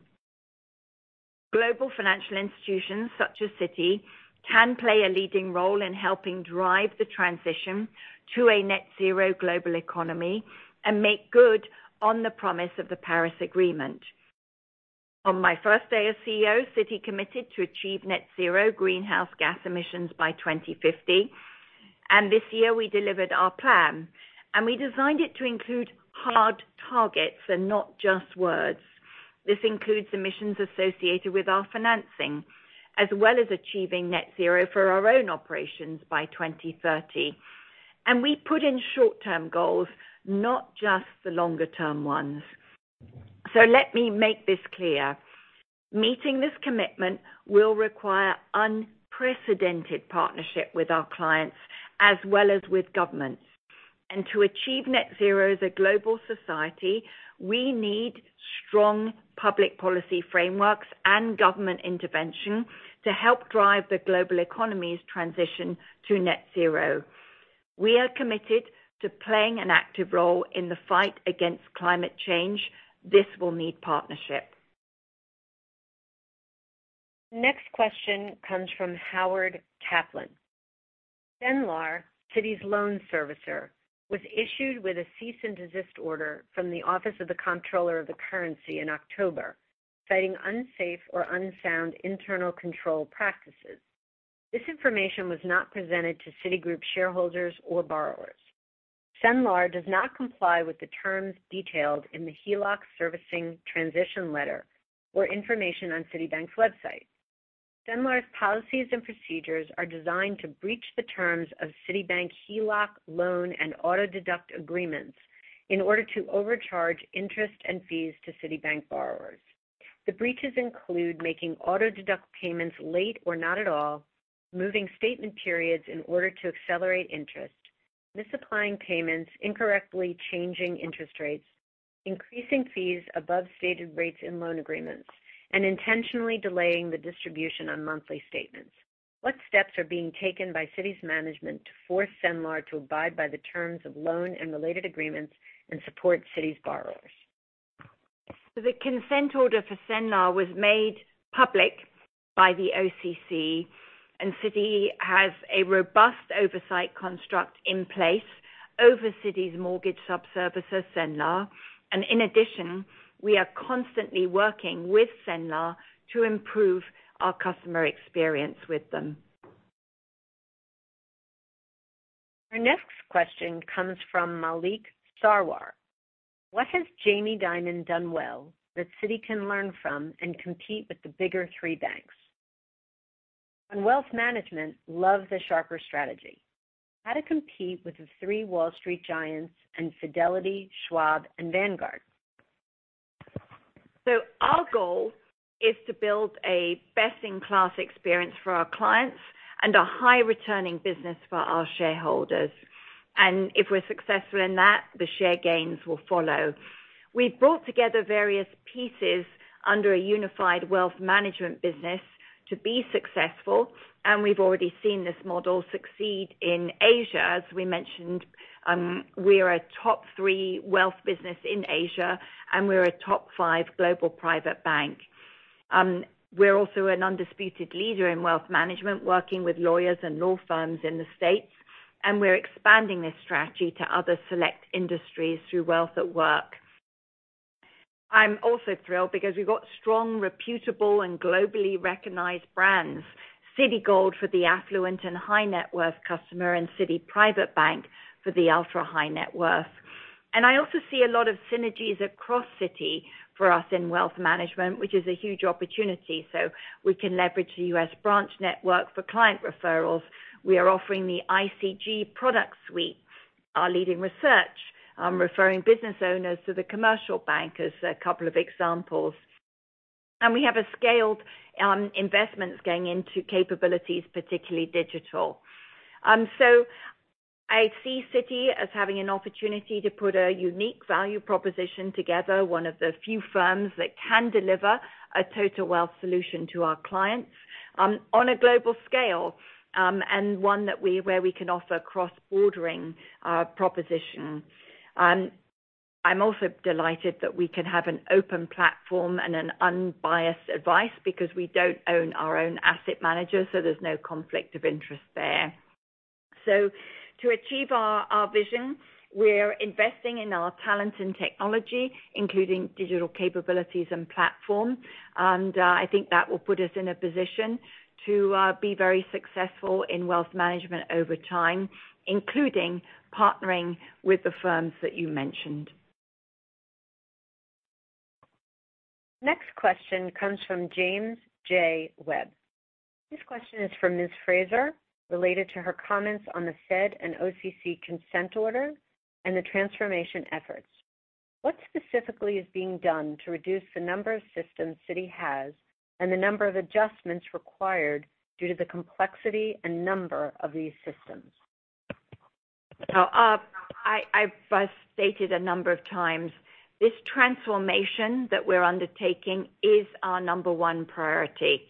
Global financial institutions such as Citi can play a leading role in helping drive the transition to a net zero global economy and make good on the promise of the Paris Agreement. On my first day as CEO, Citi committed to achieve net zero greenhouse gas emissions by 2050, and this year we delivered our plan. We designed it to include hard targets and not just words. This includes emissions associated with our financing, as well as achieving net zero for our own operations by 2030. We put in short-term goals, not just the longer-term ones. Let me make this clear. Meeting this commitment will require unprecedented partnership with our clients as well as with governments. To achieve net zero as a global society, we need strong public policy frameworks and government intervention to help drive the global economy's transition to net zero. We are committed to playing an active role in the fight against climate change. This will need partnership. Next question comes from Howard Kaplan. Cenlar, Citi's loan servicer, was issued with a cease and desist order from the Office of the Comptroller of the Currency in October, citing unsafe or unsound internal control practices. This information was not presented to Citigroup shareholders or borrowers. Cenlar does not comply with the terms detailed in the HELOC servicing transition letter or information on Citibank's website. Cenlar's policies and procedures are designed to breach the terms of Citibank HELOC loan and auto deduct agreements in order to overcharge interest and fees to Citibank borrowers. The breaches include making auto deduct payments late or not at all, moving statement periods in order to accelerate interest, misapplying payments, incorrectly changing interest rates, increasing fees above stated rates in loan agreements, and intentionally delaying the distribution on monthly statements. What steps are being taken by Citi's management to force Cenlar to abide by the terms of loan and related agreements and support Citi's borrowers? The consent order for Cenlar was made public by the OCC, and Citi has a robust oversight construct in place over Citi's mortgage sub-servicer, Cenlar. In addition, we are constantly working with Cenlar to improve our customer experience with them. Our next question comes from Malik Sarwar. What has Jamie Dimon done well that Citi can learn from and compete with the bigger three banks? Wealth Management loves a sharper strategy. How to compete with the three Wall Street giants and Fidelity, Schwab, and Vanguard. Our goal is to build a best-in-class experience for our clients and a high returning business for our shareholders. If we're successful in that, the share gains will follow. We've brought together various pieces under a unified wealth management business to be successful, and we've already seen this model succeed in Asia. As we mentioned, we are a top three wealth business in Asia, and we're a top five global private bank. We're also an undisputed leader in wealth management, working with lawyers and law firms in the States, and we're expanding this strategy to other select industries through Wealth at Work. I'm also thrilled because we've got strong, reputable, and globally recognized brands, Citigold for the affluent and high-net-worth customer and Citi Private Bank for the ultra-high-net-worth. I also see a lot of synergies across Citi for us in wealth management, which is a huge opportunity. We can leverage the U.S. branch network for client referrals. We are offering the ICG product suite, our leading research, referring business owners to the commercial bank as a couple of examples. We have a scaled investments going into capabilities, particularly digital. I see Citi as having an opportunity to put a unique value proposition together, one of the few firms that can deliver a total wealth solution to our clients on a global scale, and one where we can offer cross-border proposition. I'm also delighted that we can have an open platform and an unbiased advice because we don't own our own asset managers, so there's no conflict of interest there. To achieve our vision, we're investing in our talent and technology, including digital capabilities and platform. I think that will put us in a position to be very successful in wealth management over time, including partnering with the firms that you mentioned. Next question comes from James J. Webb. This question is for Ms. Fraser, related to her comments on the Fed and OCC consent order and the transformation efforts. What specifically is being done to reduce the number of systems Citi has, and the number of adjustments required due to the complexity and number of these systems? I've stated a number of times this transformation that we're undertaking is our number one priority.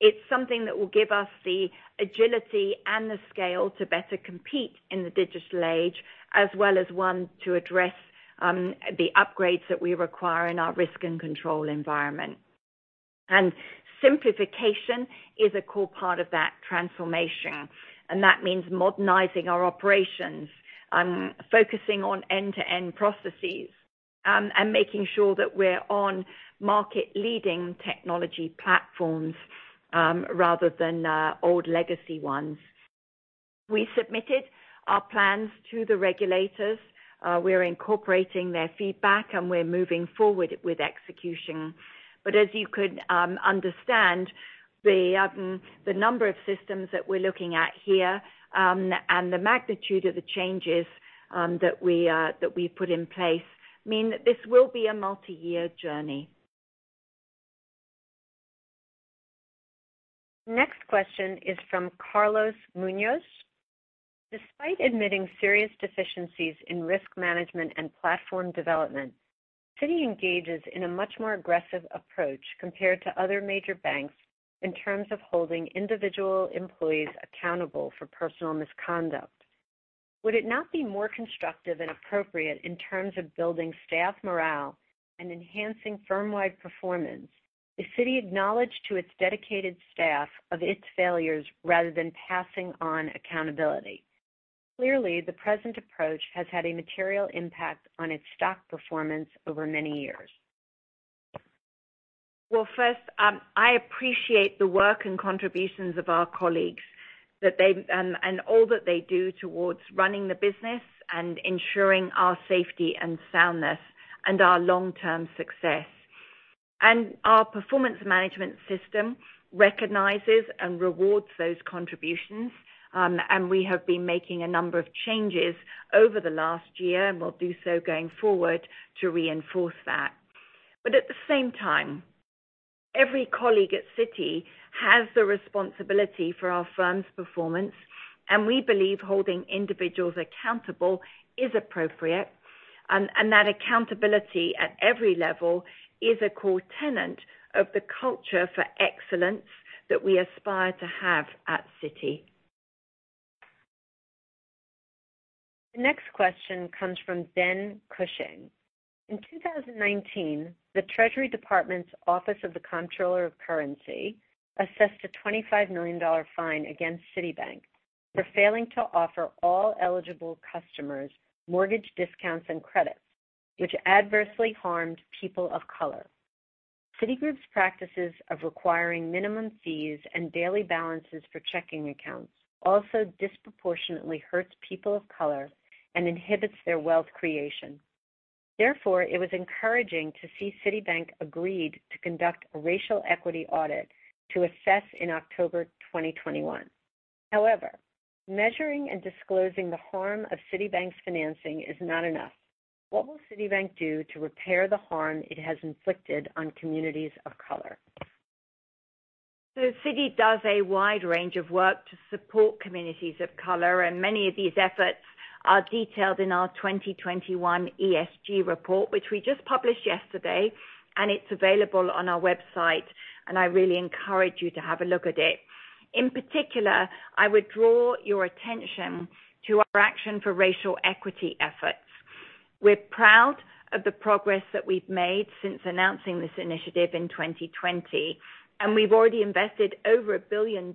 It's something that will give us the agility and the scale to better compete in the digital age, as well as to address the upgrades that we require in our risk and control environment. Simplification is a core part of that transformation, and that means modernizing our operations, focusing on end-to-end processes, and making sure that we're on market-leading technology platforms, rather than old legacy ones. We submitted our plans to the regulators. We're incorporating their feedback, and we're moving forward with execution. As you could understand, the number of systems that we're looking at here, and the magnitude of the changes that we put in place mean that this will be a multi-year journey. Next question is from Carlos Munoz. Despite admitting serious deficiencies in risk management and platform development, Citi engages in a much more aggressive approach compared to other major banks in terms of holding individual employees accountable for personal misconduct. Would it not be more constructive and appropriate in terms of building staff morale and enhancing firm-wide performance if Citi acknowledged to its dedicated staff of its failures rather than passing on accountability? Clearly, the present approach has had a material impact on its stock performance over many years. Well, first, I appreciate the work and contributions of our colleagues, and all that they do towards running the business and ensuring our safety and soundness and our long-term success. Our performance management system recognizes and rewards those contributions. We have been making a number of changes over the last year and will do so going forward to reinforce that. At the same time, every colleague at Citi has the responsibility for our firm's performance, and we believe holding individuals accountable is appropriate. That accountability at every level is a core tenet of the culture for excellence that we aspire to have at Citi. The next question comes from Ben Cushing. In 2019, the Treasury Department's Office of the Comptroller of the Currency assessed a $25 million fine against Citibank for failing to offer all eligible customers mortgage discounts and credits, which adversely harmed people of color. Citigroup's practices of requiring minimum fees and daily balances for checking accounts also disproportionately hurts people of color and inhibits their wealth creation. Therefore, it was encouraging to see Citibank agreed to conduct a racial equity audit to assess in October 2021. However, measuring and disclosing the harm of Citibank's financing is not enough. What will Citibank do to repair the harm it has inflicted on communities of color? Citi does a wide range of work to support communities of color, and many of these efforts are detailed in our 2021 ESG report, which we just published yesterday, and it's available on our website, and I really encourage you to have a look at it. In particular, I would draw your attention to our Action for Racial Equity efforts. We're proud of the progress that we've made since announcing this initiative in 2020, and we've already invested over $1 billion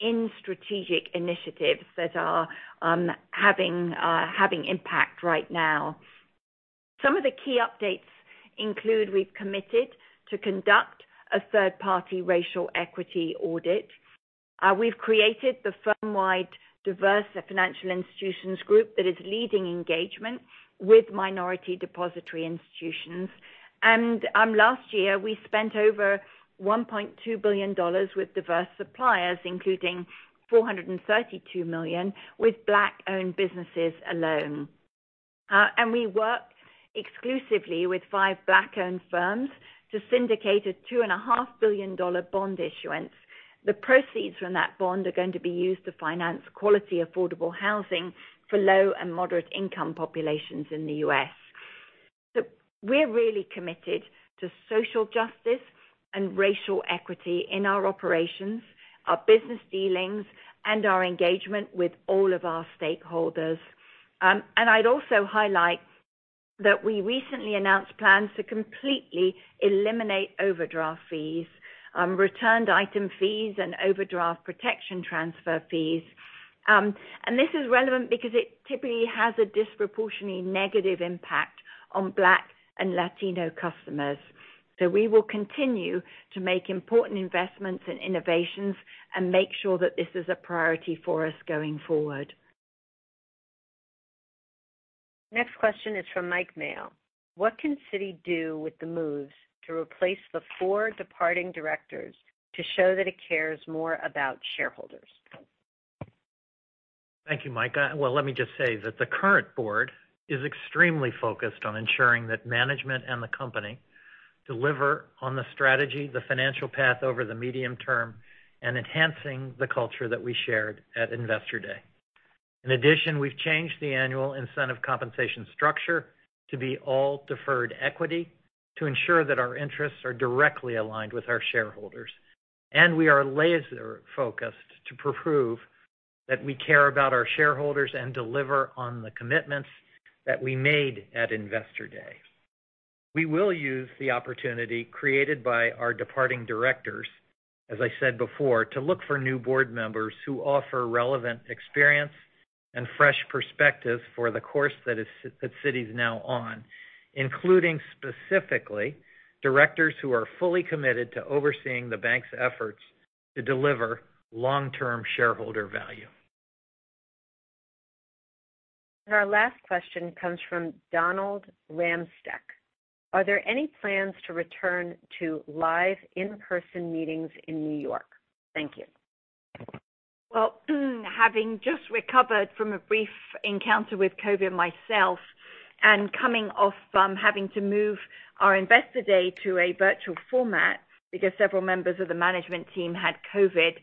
in strategic initiatives that are having impact right now. Some of the key updates include we've committed to conduct a third-party racial equity audit. We've created the firm-wide Diverse Financial Institutions Group that is leading engagement with minority depository institutions. Last year, we spent over $1.2 billion with diverse suppliers, including $432 million with Black-owned businesses alone. We worked exclusively with five Black-owned firms to syndicate a $2.5 billion bond issuance. The proceeds from that bond are going to be used to finance quality, affordable housing for low and moderate-income populations in the U.S. We're really committed to social justice and racial equity in our operations, our business dealings, and our engagement with all of our stakeholders. I'd also highlight that we recently announced plans to completely eliminate overdraft fees, returned item fees and overdraft protection transfer fees. This is relevant because it typically has a disproportionately negative impact on Black and Latino customers. We will continue to make important investments in innovations and make sure that this is a priority for us going forward. Next question is from Mike Mayo. What can Citi do with the moves to replace the four departing directors to show that it cares more about shareholders? Thank you, Mike. Well, let me just say that the current board is extremely focused on ensuring that management and the company deliver on the strategy, the financial path over the medium term, and enhancing the culture that we shared at Investor Day. In addition, we've changed the annual incentive compensation structure to be all deferred equity to ensure that our interests are directly aligned with our shareholders. We are laser-focused to prove that we care about our shareholders and deliver on the commitments that we made at Investor Day. We will use the opportunity created by our departing directors, as I said before, to look for new board members who offer relevant experience and fresh perspective for the course that Citi is now on, including specifically directors who are fully committed to overseeing the bank's efforts to deliver long-term shareholder value. Our last question comes from Donald Ramstek. Are there any plans to return to live in-person meetings in New York? Thank you. Well, having just recovered from a brief encounter with COVID myself and coming off from having to move our Investor Day to a virtual format because several members of the management team had COVID,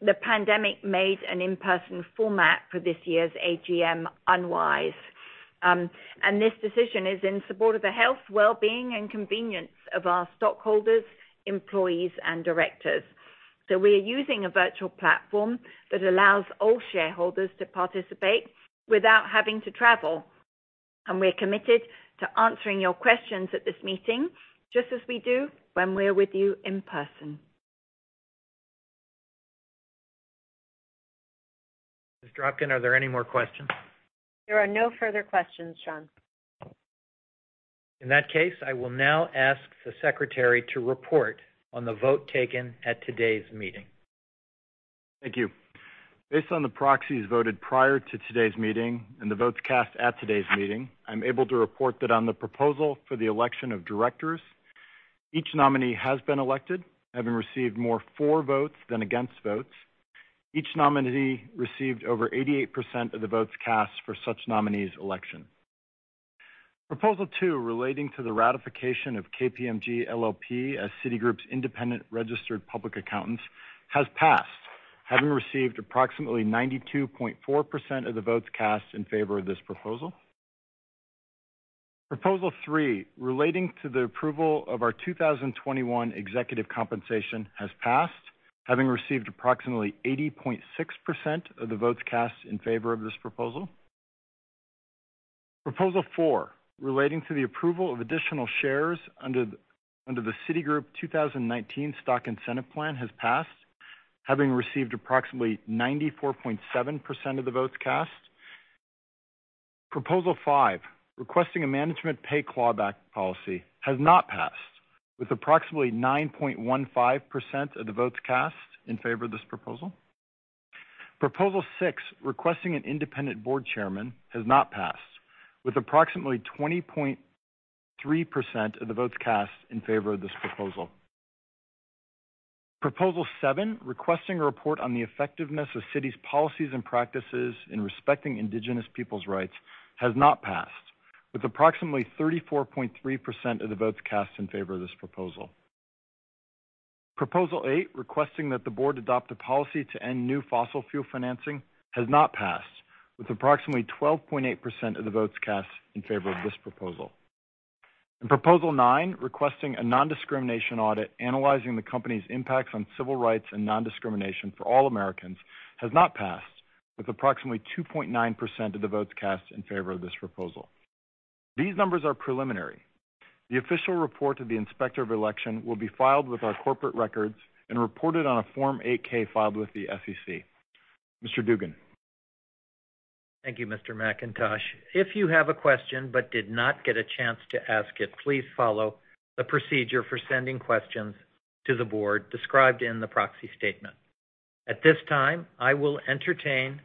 the pandemic made an in-person format for this year's AGM unwise. This decision is in support of the health, well-being, and convenience of our stockholders, employees, and directors. We are using a virtual platform that allows all shareholders to participate without having to travel. We're committed to answering your questions at this meeting, just as we do when we're with you in person. Ms. Dropkin, are there any more questions? There are no further questions, John. In that case, I will now ask the secretary to report on the vote taken at today's meeting. Thank you. Based on the proxies voted prior to today's meeting and the votes cast at today's meeting, I'm able to report that on the proposal for the election of directors, each nominee has been elected, having received more votes for than against votes. Each nominee received over 88% of the votes cast for such nominee's election. Proposal 2, relating to the ratification of KPMG LLP as Citigroup's independent registered public accountants, has passed, having received approximately 92.4% of the votes cast in favor of this proposal. Proposal 3, relating to the approval of our 2021 executive compensation, has passed, having received approximately 80.6% of the votes cast in favor of this proposal. Proposal four, relating to the approval of additional shares under the Citigroup 2019 Stock Incentive Plan, has passed, having received approximately 94.7% of the votes cast. Proposal five, requesting a management pay clawback policy, has not passed, with approximately 9.15% of the votes cast in favor of this proposal. Proposal six, requesting an independent board chairman, has not passed, with approximately 20.3% of the votes cast in favor of this proposal. Proposal seven, requesting a report on the effectiveness of Citi's policies and practices in respecting indigenous people's rights, has not passed, with approximately 34.3% of the votes cast in favor of this proposal. Proposal 8, requesting that the board adopt a policy to end new fossil fuel financing, has not passed, with approximately 12.8% of the votes cast in favor of this proposal. Proposal 9, requesting a nondiscrimination audit analyzing the company's impacts on civil rights and nondiscrimination for all Americans, has not passed, with approximately 2.9% of the votes cast in favor of this proposal. These numbers are preliminary. The official report of the inspector of election will be filed with our corporate records and reported on a Form 8-K filed with the SEC. Mr. Dugan. Thank you, Mr. McIntosh. If you have a question but did not get a chance to ask it, please follow the procedure for sending questions to the board described in the proxy statement. At this time, I will entertain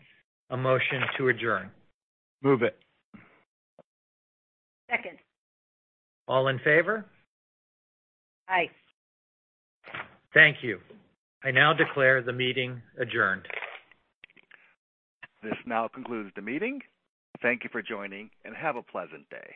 a motion to adjourn. Move it. Second. All in favor? Aye. Thank you. I now declare the meeting adjourned. This now concludes the meeting. Thank you for joining, and have a pleasant day.